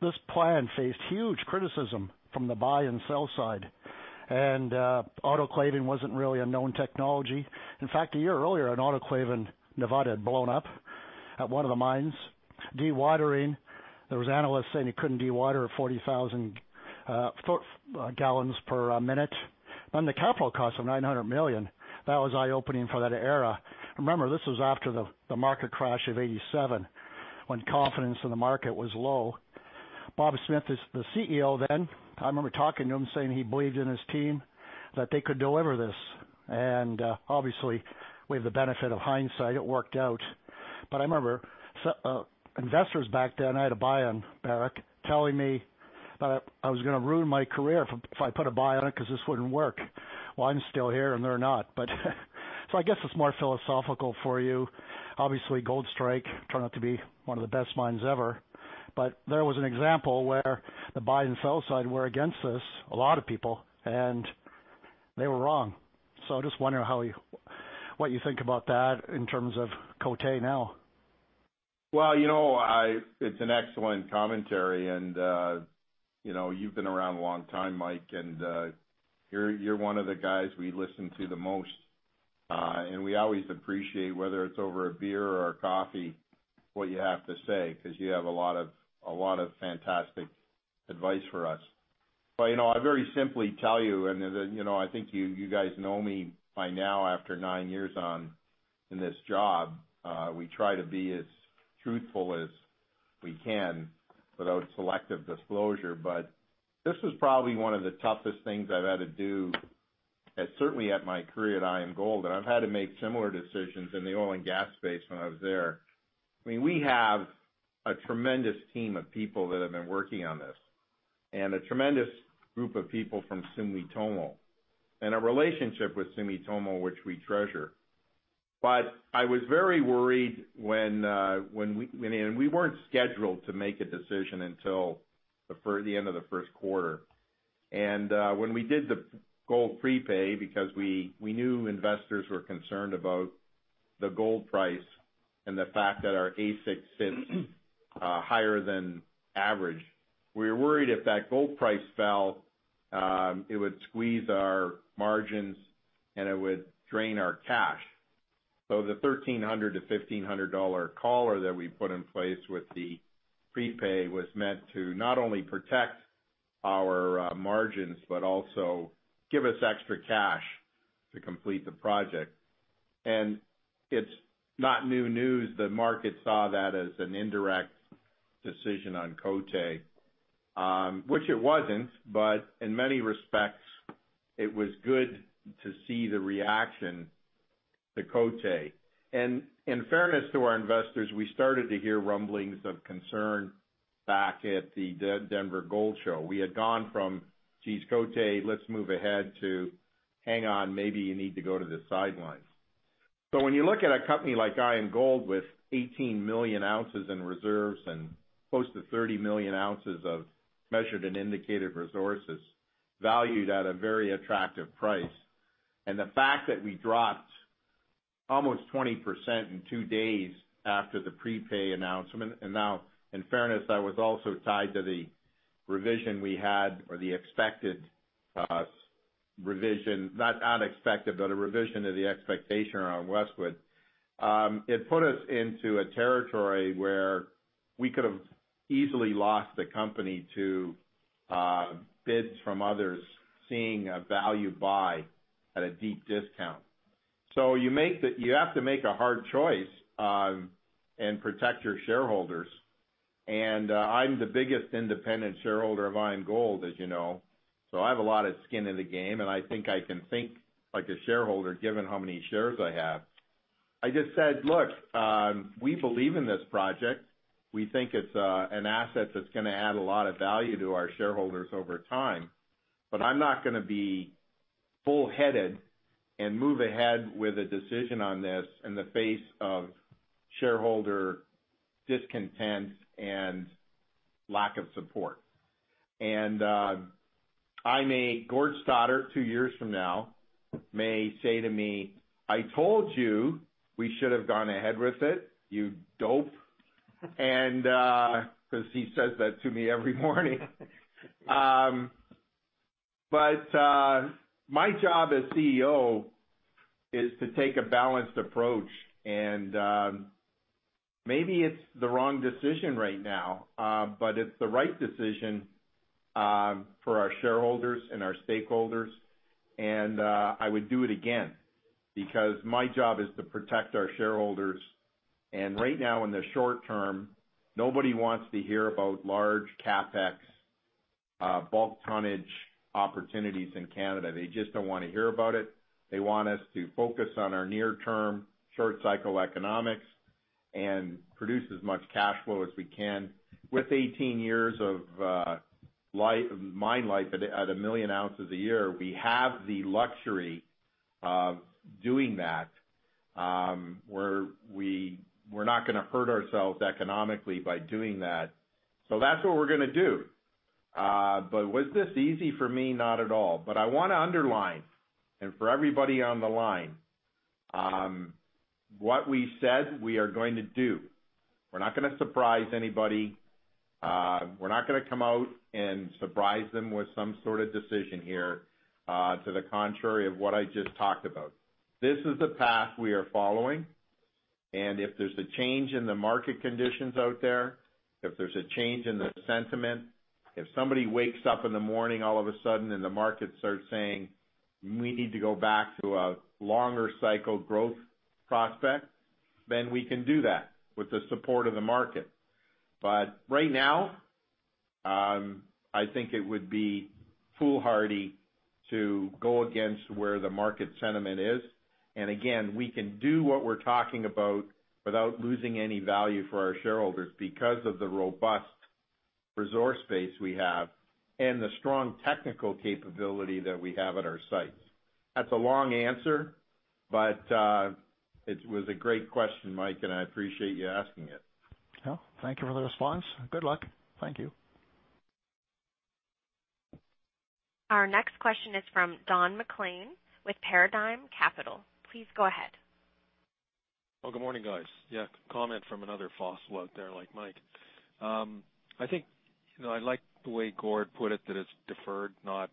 This plan faced huge criticism from the buy and sell side. Autoclaving wasn't really a known technology. In fact, a year earlier, an autoclave in Nevada had blown up at one of the mines. Dewatering, there was analysts saying you couldn't dewater 40,000 gallons per minute. The capital cost of $900 million, that was eye-opening for that era. Remember, this was after the market crash of 1987, when confidence in the market was low. Bob Smith is the CEO then. I remember talking to him, saying he believed in his team, that they could deliver this. Obviously, we have the benefit of hindsight. It worked out. I remember investors back then, I had a buy on Barrick, telling me that I was going to ruin my career if I put a buy on it because this wouldn't work. I'm still here, and they're not. I guess it's more philosophical for you. Obviously, Goldstrike turned out to be one of the best mines ever. There was an example where the buy and sell side were against this, a lot of people, and they were wrong. I'm just wondering what you think about that in terms of Côté now. It's an excellent commentary, you've been around a long time, Mike, you're one of the guys we listen to the most. We always appreciate, whether it's over a beer or a coffee, what you have to say, because you have a lot of fantastic advice for us. I very simply tell you, and I think you guys know me by now after nine years in this job, we try to be as truthful as we can without selective disclosure. This was probably one of the toughest things I've had to do, certainly at my career at IAMGOLD, and I've had to make similar decisions in the oil and gas space when I was there. We have a tremendous team of people that have been working on this, and a tremendous group of people from Sumitomo, and a relationship with Sumitomo, which we treasure. I was very worried when we weren't scheduled to make a decision until the end of the first quarter. When we did the gold prepay, because we knew investors were concerned about the gold price and the fact that our AISC sits higher than average, we were worried if that gold price fell, it would squeeze our margins and it would drain our cash. The $1,300-$1,500 collar that we put in place with the prepay was meant to not only protect our margins, but also give us extra cash to complete the project. It's not new news. The market saw that as an indirect decision on Côté, which it wasn't, but in many respects, it was good to see the reaction to Côté. In fairness to our investors, we started to hear rumblings of concern back at the Denver Gold Forum. We had gone from, "Geez, Côté, let's move ahead," to, "Hang on, maybe you need to go to the sidelines." When you look at a company like IAMGOLD with 18 million ounces in reserves and close to 30 million ounces of measured and indicated resources valued at a very attractive price, and the fact that we dropped almost 20% in two days after the prepay announcement, and now, in fairness, that was also tied to the revision we had, or the expected revision, not expected, but a revision of the expectation around Westwood. It put us into a territory where we could have easily lost the company to bids from others seeing a value buy at a deep discount. You have to make a hard choice and protect your shareholders. I'm the biggest independent shareholder of IAMGOLD, as you know. I have a lot of skin in the game, and I think I can think like a shareholder, given how many shares I have. I just said, "Look, we believe in this project. We think it's an asset that's going to add a lot of value to our shareholders over time. I'm not going to be full-headed and move ahead with a decision on this in the face of shareholder discontent and lack of support." I may, Gord Stothart, two years from now, may say to me, "I told you we should have gone ahead with it, you dope." Because he says that to me every morning. My job as CEO is to take a balanced approach, and maybe it's the wrong decision right now, but it's the right decision for our shareholders and our stakeholders. I would do it again, because my job is to protect our shareholders. Right now, in the short term, nobody wants to hear about large CapEx, bulk tonnage opportunities in Canada. They just don't want to hear about it. They want us to focus on our near-term, short-cycle economics and produce as much cash flow as we can. With 18 years of mine life at a million ounces a year, we have the luxury of doing that, where we're not going to hurt ourselves economically by doing that. That's what we're gonna do. Was this easy for me? Not at all. I want to underline, and for everybody on the line, what we said we are going to do, we're not going to surprise anybody. We're not going to come out and surprise them with some sort of decision here, to the contrary of what I just talked about. This is the path we are following. If there's a change in the market conditions out there, if there's a change in the sentiment, if somebody wakes up in the morning all of a sudden and the market starts saying we need to go back to a longer cycle growth prospect, we can do that with the support of the market. Right now, I think it would be foolhardy to go against where the market sentiment is. Again, we can do what we're talking about without losing any value for our shareholders because of the robust resource base we have and the strong technical capability that we have at our sites. That's a long answer, but it was a great question, Mike, and I appreciate you asking it. Well, thank you for the response. Good luck. Thank you. Our next question is from Don MacLean with Paradigm Capital. Please go ahead. Well, good morning, guys. Yeah, comment from another fossil out there like Mike. I like the way Gord put it, that it's deferred, not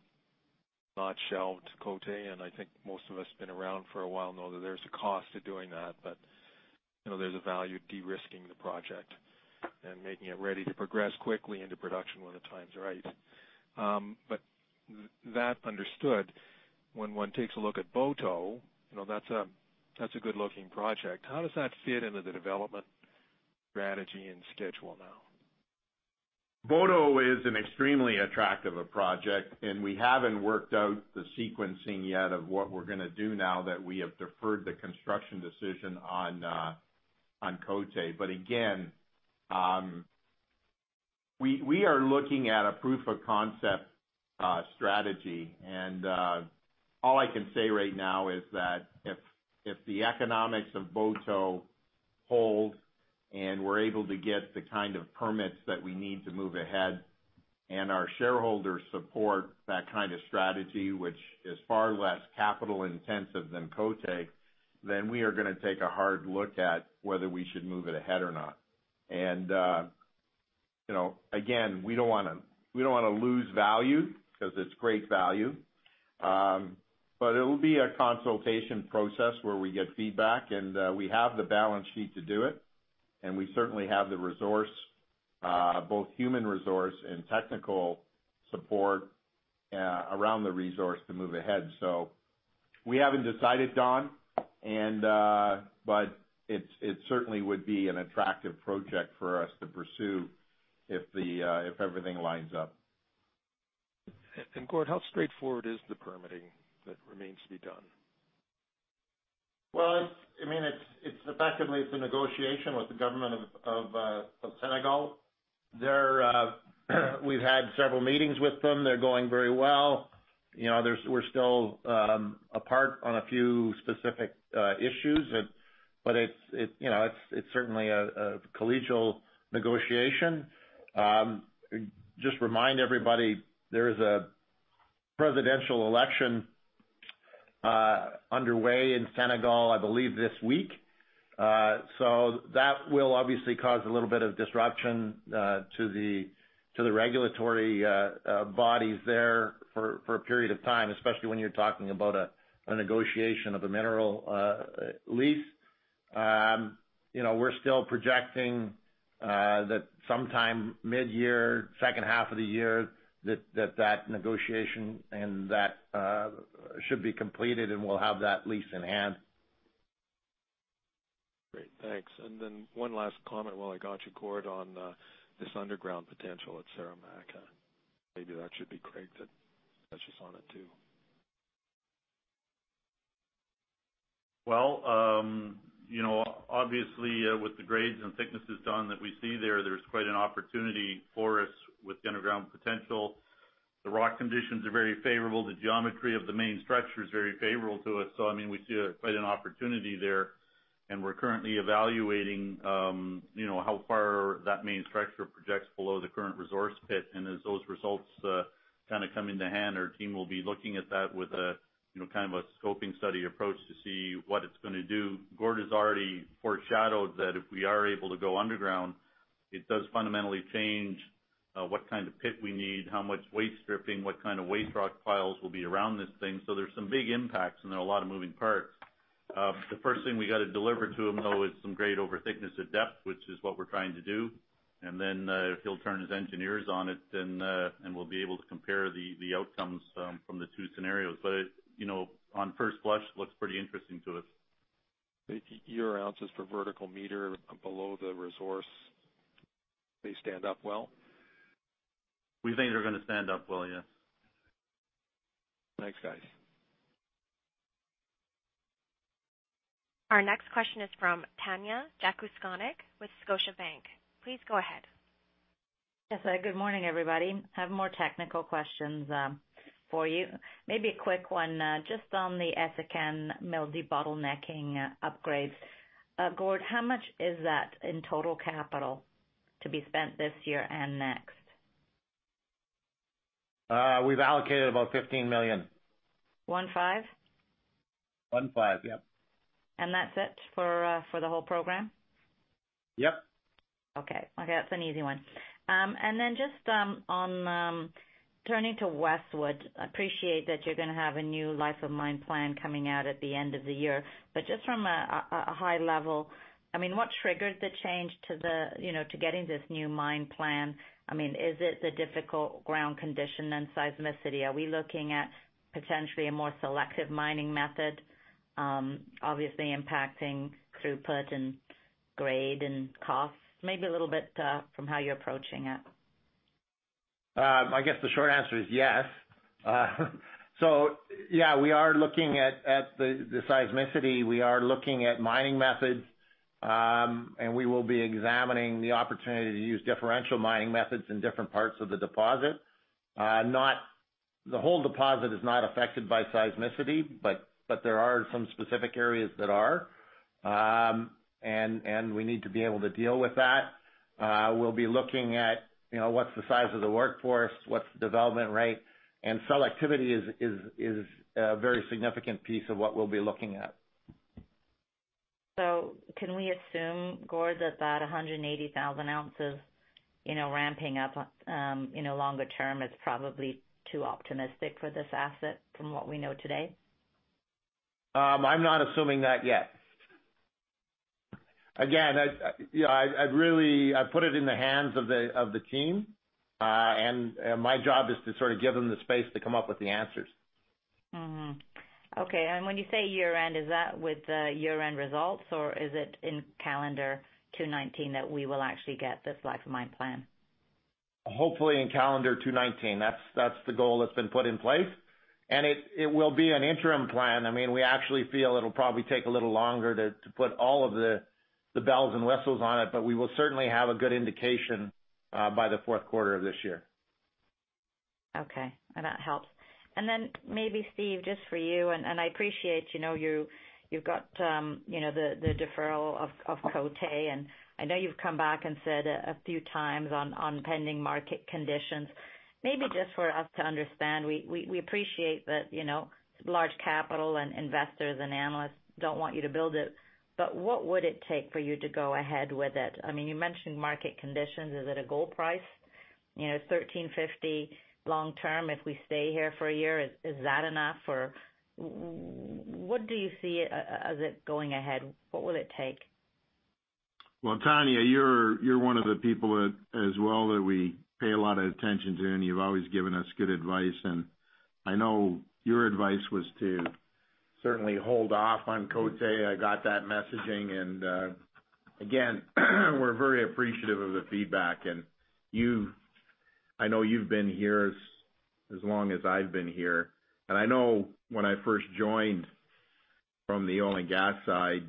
shelved, Côté, and I think most of us been around for a while know that there's a cost to doing that. There's a value de-risking the project and making it ready to progress quickly into production when the time's right. That understood, when one takes a look at Boto, that's a good-looking project. How does that fit into the development strategy and schedule now? Boto is an extremely attractive project, and we haven't worked out the sequencing yet of what we're going to do now that we have deferred the construction decision on Côté. Again, we are looking at a proof of concept strategy, and all I can say right now is that if the economics of Boto hold and we're able to get the kind of permits that we need to move ahead, and our shareholders support that kind of strategy, which is far less capital intensive than Côté, then we are going to take a hard look at whether we should move it ahead or not. Again, we don't want to lose value because it's great value. It'll be a consultation process where we get feedback, and we have the balance sheet to do it, and we certainly have the resource, both human resource and technical support around the resource to move ahead. We haven't decided, Don, but it certainly would be an attractive project for us to pursue if everything lines up. Gord, how straightforward is the permitting that remains to be done? Well, effectively it's a negotiation with the government of Senegal. We've had several meetings with them. They're going very well. We're still apart on a few specific issues, but it's certainly a collegial negotiation. Just remind everybody, there is a presidential election underway in Senegal, I believe, this week. That will obviously cause a little bit of disruption to the regulatory bodies there for a period of time, especially when you're talking about a negotiation of a mineral lease. We're still projecting that sometime mid-year, second half of the year, that negotiation should be completed, and we'll have that lease in hand. Great. Thanks. Then one last comment while I got you, Gord, on this underground potential at Saramacca. Maybe that should be Craig that touches on it, too. Well, obviously, with the grades and thicknesses, Don, that we see there's quite an opportunity for us with the underground potential. The rock conditions are very favorable. The geometry of the main structure is very favorable to us. We see quite an opportunity there, and we're currently evaluating how far that main structure projects below the current resource pit. As those results come into hand, our team will be looking at that with a scoping study approach to see what it's going to do. Gord has already foreshadowed that if we are able to go underground, it does fundamentally change what kind of pit we need, how much waste stripping, what kind of waste rock piles will be around this thing. There's some big impacts, and there are a lot of moving parts. The first thing we got to deliver to him, though, is some grade over thickness of depth, which is what we're trying to do. Then, if he'll turn his engineers on it, then we'll be able to compare the outcomes from the two scenarios. On first blush, looks pretty interesting to us. Your ounces per vertical meter below the resource, they stand up well? We think they're going to stand up well, yes. Thanks, guys. Our next question is from Tanya Jakusconek with Scotiabank. Please go ahead. Yes, good morning, everybody. I have more technical questions for you. Maybe a quick one, just on the Essakane mill debottlenecking upgrades. Gord, how much is that in total capital to be spent this year and next? We've allocated about $15 million. 15? 15. Yep. That's it for the whole program? Yep. Okay. That's an easy one. Just turning to Westwood, appreciate that you're going to have a new life of mine plan coming out at the end of the year, but just from a high level, what triggered the change to getting this new mine plan? Is it the difficult ground condition and seismicity? Are we looking at potentially a more selective mining method, obviously impacting throughput and grade and costs? Maybe a little bit from how you're approaching it. I guess the short answer is yes. Yeah, we are looking at the seismicity. We are looking at mining methods. We will be examining the opportunity to use differential mining methods in different parts of the deposit. The whole deposit is not affected by seismicity, but there are some specific areas that are, and we need to be able to deal with that. We'll be looking at what's the size of the workforce, what's the development rate, and selectivity is a very significant piece of what we'll be looking at. Can we assume, Gord, that that 180,000 ounces ramping up longer term is probably too optimistic for this asset from what we know today? I'm not assuming that yet. Again, I put it in the hands of the team, and my job is to sort of give them the space to come up with the answers. Okay, when you say year-end, is that with the year-end results, or is it in calendar 2019 that we will actually get this life of mine plan? Hopefully in calendar 2019. That's the goal that's been put in place. It will be an interim plan. We actually feel it'll probably take a little longer to put all of the bells and whistles on it, but we will certainly have a good indication by the fourth quarter of this year. Okay. That helps. Then maybe, Steve, just for you, I appreciate you've got the deferral of Côté, I know you've come back and said a few times on pending market conditions. Maybe just for us to understand, we appreciate that large capital and investors and analysts don't want you to build it, but what would it take for you to go ahead with it? You mentioned market conditions. Is it a gold price? $1,350 long term, if we stay here for a year, is that enough, or what do you see as it going ahead? What will it take? Well, Tanya, you're one of the people as well that we pay a lot of attention to, you've always given us good advice, I know your advice was to certainly hold off on Côté. I got that messaging, again, we're very appreciative of the feedback. I know you've been here as long as I've been here, I know when I first joined from the oil and gas side,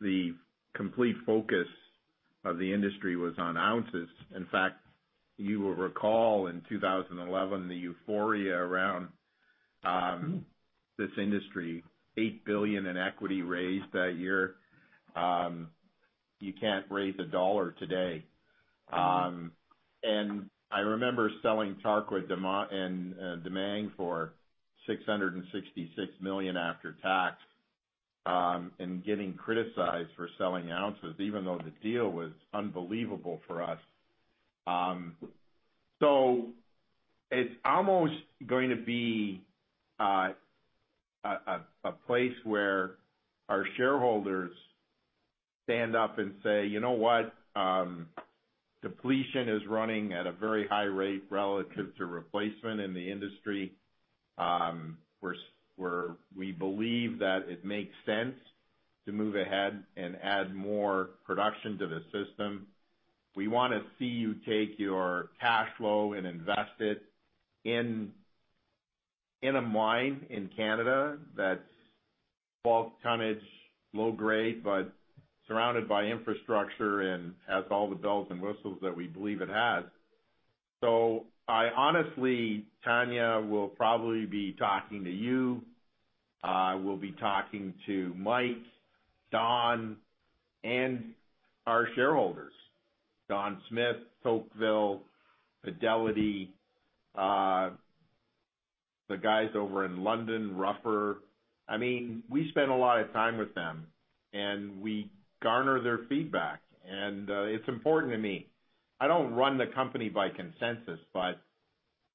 the complete focus of the industry was on ounces. In fact, you will recall in 2011, the euphoria around this industry, $8 billion in equity raised that year. You can't raise a dollar today. I remember selling Tarkwa and Damang for $666 million after tax, getting criticized for selling ounces, even though the deal was unbelievable for us. It's almost going to be a place where our shareholders stand up and say, "You know what? Depletion is running at a very high rate relative to replacement in the industry. We believe that it makes sense to move ahead and add more production to the system. We want to see you take your cash flow and invest it in a mine in Canada that's bulk tonnage, low grade, but surrounded by infrastructure and has all the bells and whistles that we believe it has." I honestly, Tanya, will probably be talking to you. I will be talking to Mike, Don, and our shareholders, Donald Smith, Tocqueville, Fidelity, the guys over in London, Ruffer. We spend a lot of time with them, and we garner their feedback, and it's important to me. I don't run the company by consensus, but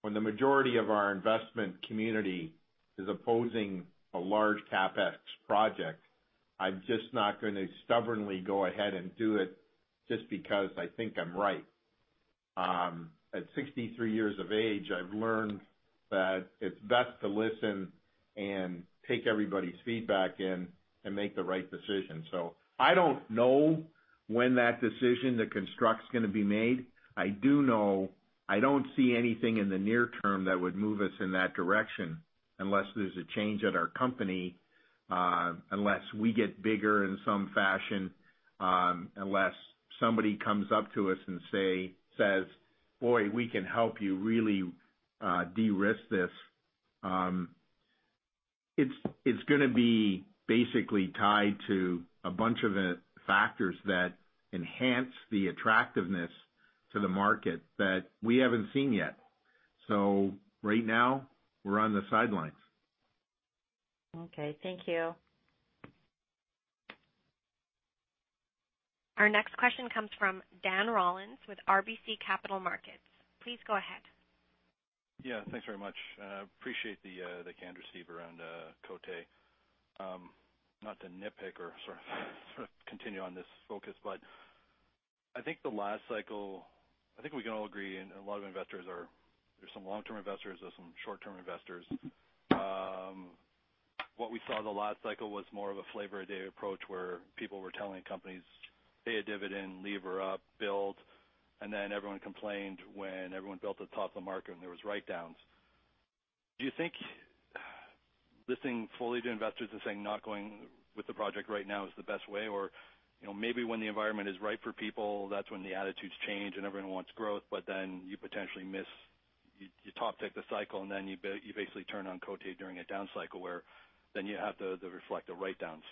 when the majority of our investment community is opposing a large CapEx project, I'm just not going to stubbornly go ahead and do it just because I think I'm right. At 63 years of age, I've learned that it's best to listen and take everybody's feedback in and make the right decision. I don't know when that decision to construct is going to be made. I do know I don't see anything in the near term that would move us in that direction unless there's a change at our company, unless we get bigger in some fashion, unless somebody comes up to us and says, "Boy, we can help you really de-risk this." It's going to be basically tied to a bunch of factors that enhance the attractiveness to the market that we haven't seen yet. Right now, we're on the sidelines. Okay, thank you. Our next question comes from Dan Rollins with RBC Capital Markets. Please go ahead. Yeah, thanks very much. Appreciate the guidance you've around Côté. Not to nitpick or sort of continue on this focus, I think the last cycle, I think we can all agree and a lot of investors are, there's some long-term investors, there's some short-term investors. What we saw the last cycle was more of a flavor of day approach, where people were telling companies, "Pay a dividend, lever up, build." Then everyone complained when everyone built the top of the market and there was write-downs. Do you think listening fully to investors and saying not going with the project right now is the best way? Maybe when the environment is right for people, that's when the attitudes change and everyone wants growth, but then you potentially miss You top tick the cycle, and then you basically turn on Côté during a down cycle, where then you have to reflect the write-downs.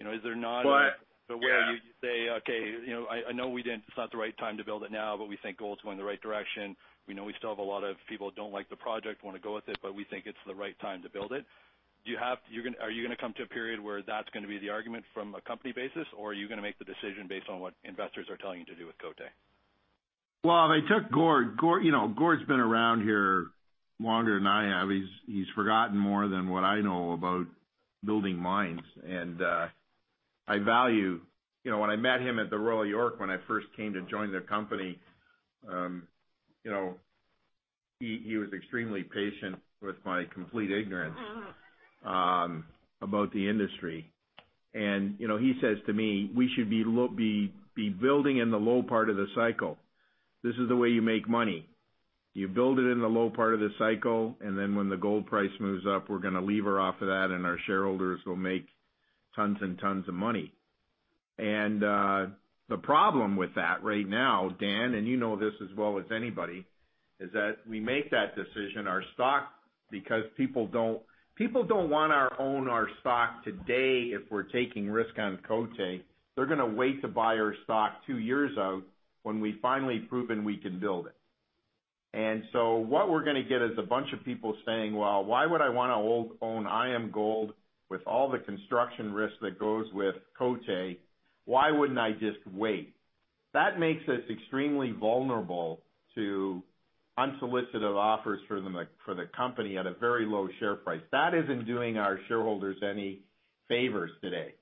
Is there not Yeah a way you say, "Okay, I know it's not the right time to build it now, but we think gold's going the right direction. We know we still have a lot of people that don't like the project, want to go with it, but we think it's the right time to build it." Are you going to come to a period where that's going to be the argument from a company basis, or are you going to make the decision based on what investors are telling you to do with Côté? Well, they took Gord. Gord's been around here longer than I have. He's forgotten more than what I know about building mines. I value When I met him at the Royal York, when I first came to join the company, he was extremely patient with my complete ignorance about the industry. He says to me, "We should be building in the low part of the cycle. This is the way you make money. You build it in the low part of the cycle, and then when the gold price moves up, we're going to lever off of that, and our shareholders will make tons and tons of money." The problem with that right now, Dan, and you know this as well as anybody, is that we make that decision, our stock, because people don't want to own our stock today if we're taking risk on Côté. They're going to wait to buy our stock 2 years out when we've finally proven we can build it. What we're going to get is a bunch of people saying, "Well, why would I want to own IAMGOLD with all the construction risk that goes with Côté? Why wouldn't I just wait?" That makes us extremely vulnerable to unsolicited offers for the company at a very low share price. That isn't doing our shareholders any favors today.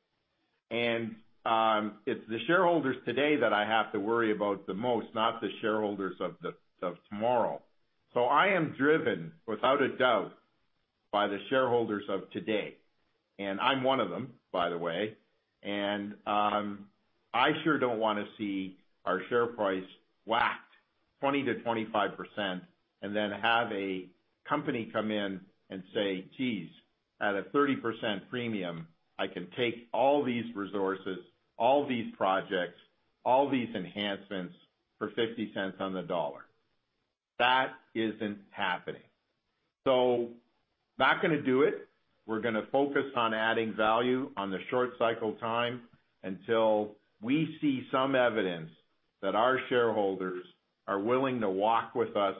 It's the shareholders today that I have to worry about the most, not the shareholders of tomorrow. I am driven, without a doubt, by the shareholders of today, and I'm one of them, by the way. I sure don't want to see our share price whacked 20%-25% and then have a company come in and say, "Geez, at a 30% premium, I can take all these resources, all these projects, all these enhancements, for $0.50 on the dollar." That isn't happening. Not going to do it. We're going to focus on adding value on the short cycle time until we see some evidence that our shareholders are willing to walk with us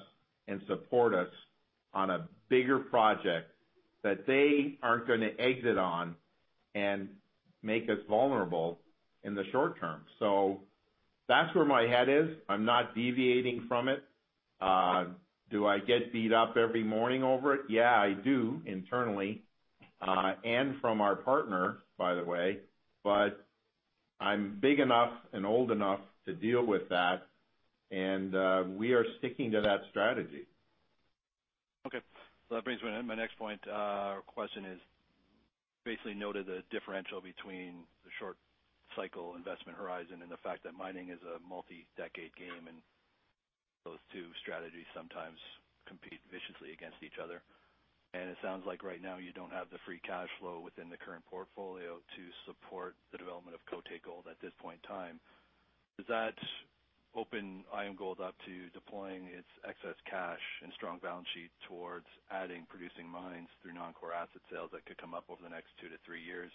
and support us on a bigger project that they aren't going to exit on and make us vulnerable in the short term. That's where my head is. I'm not deviating from it. Do I get beat up every morning over it? Yeah, I do, internally, and from our partner, by the way. I'm big enough and old enough to deal with that, and we are sticking to that strategy. Okay. That brings me to my next point. Our question is, basically noted the differential between the short cycle investment horizon and the fact that mining is a multi-decade game, and those two strategies sometimes compete viciously against each other. It sounds like right now you don't have the free cash flow within the current portfolio to support the development of Côté Gold at this point in time. Does that open IAMGOLD up to deploying its excess cash and strong balance sheet towards adding producing mines through non-core asset sales that could come up over the next two to three years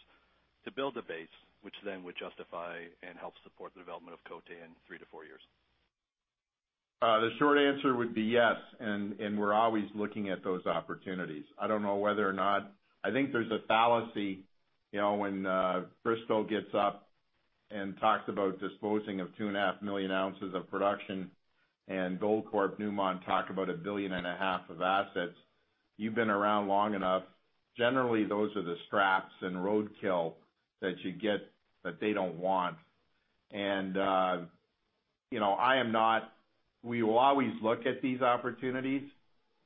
to build a base, which then would justify and help support the development of Côté in three to four years? The short answer would be yes. We're always looking at those opportunities. I don't know whether or not I think there's a fallacy, when Bristow gets up and talks about disposing of two and a half million ounces of production and Goldcorp Newmont talk about a billion and a half of assets. You've been around long enough. Generally, those are the scraps and roadkill that you get that they don't want. We will always look at these opportunities,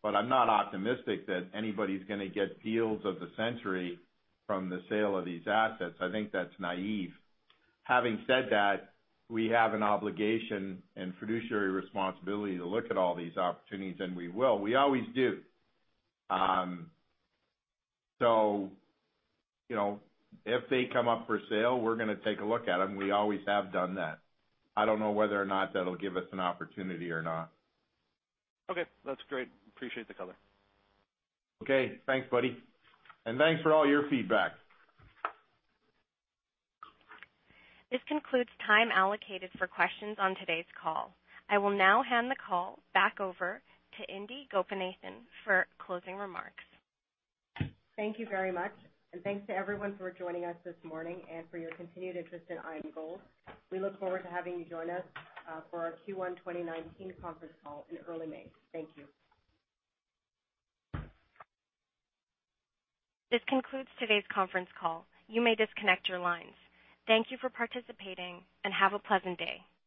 but I'm not optimistic that anybody's gonna get deals of the century from the sale of these assets. I think that's naive. Having said that, we have an obligation and fiduciary responsibility to look at all these opportunities, and we will. We always do. If they come up for sale, we're gonna take a look at them. We always have done that. I don't know whether or not that'll give us an opportunity or not. Okay. That's great. Appreciate the color. Okay. Thanks, buddy. Thanks for all your feedback. This concludes time allocated for questions on today's call. I will now hand the call back over to Indi Gopinathan for closing remarks. Thank you very much. Thanks to everyone for joining us this morning and for your continued interest in IAMGOLD. We look forward to having you join us for our Q1 2019 conference call in early May. Thank you. This concludes today's conference call. You may disconnect your lines. Thank you for participating and have a pleasant day.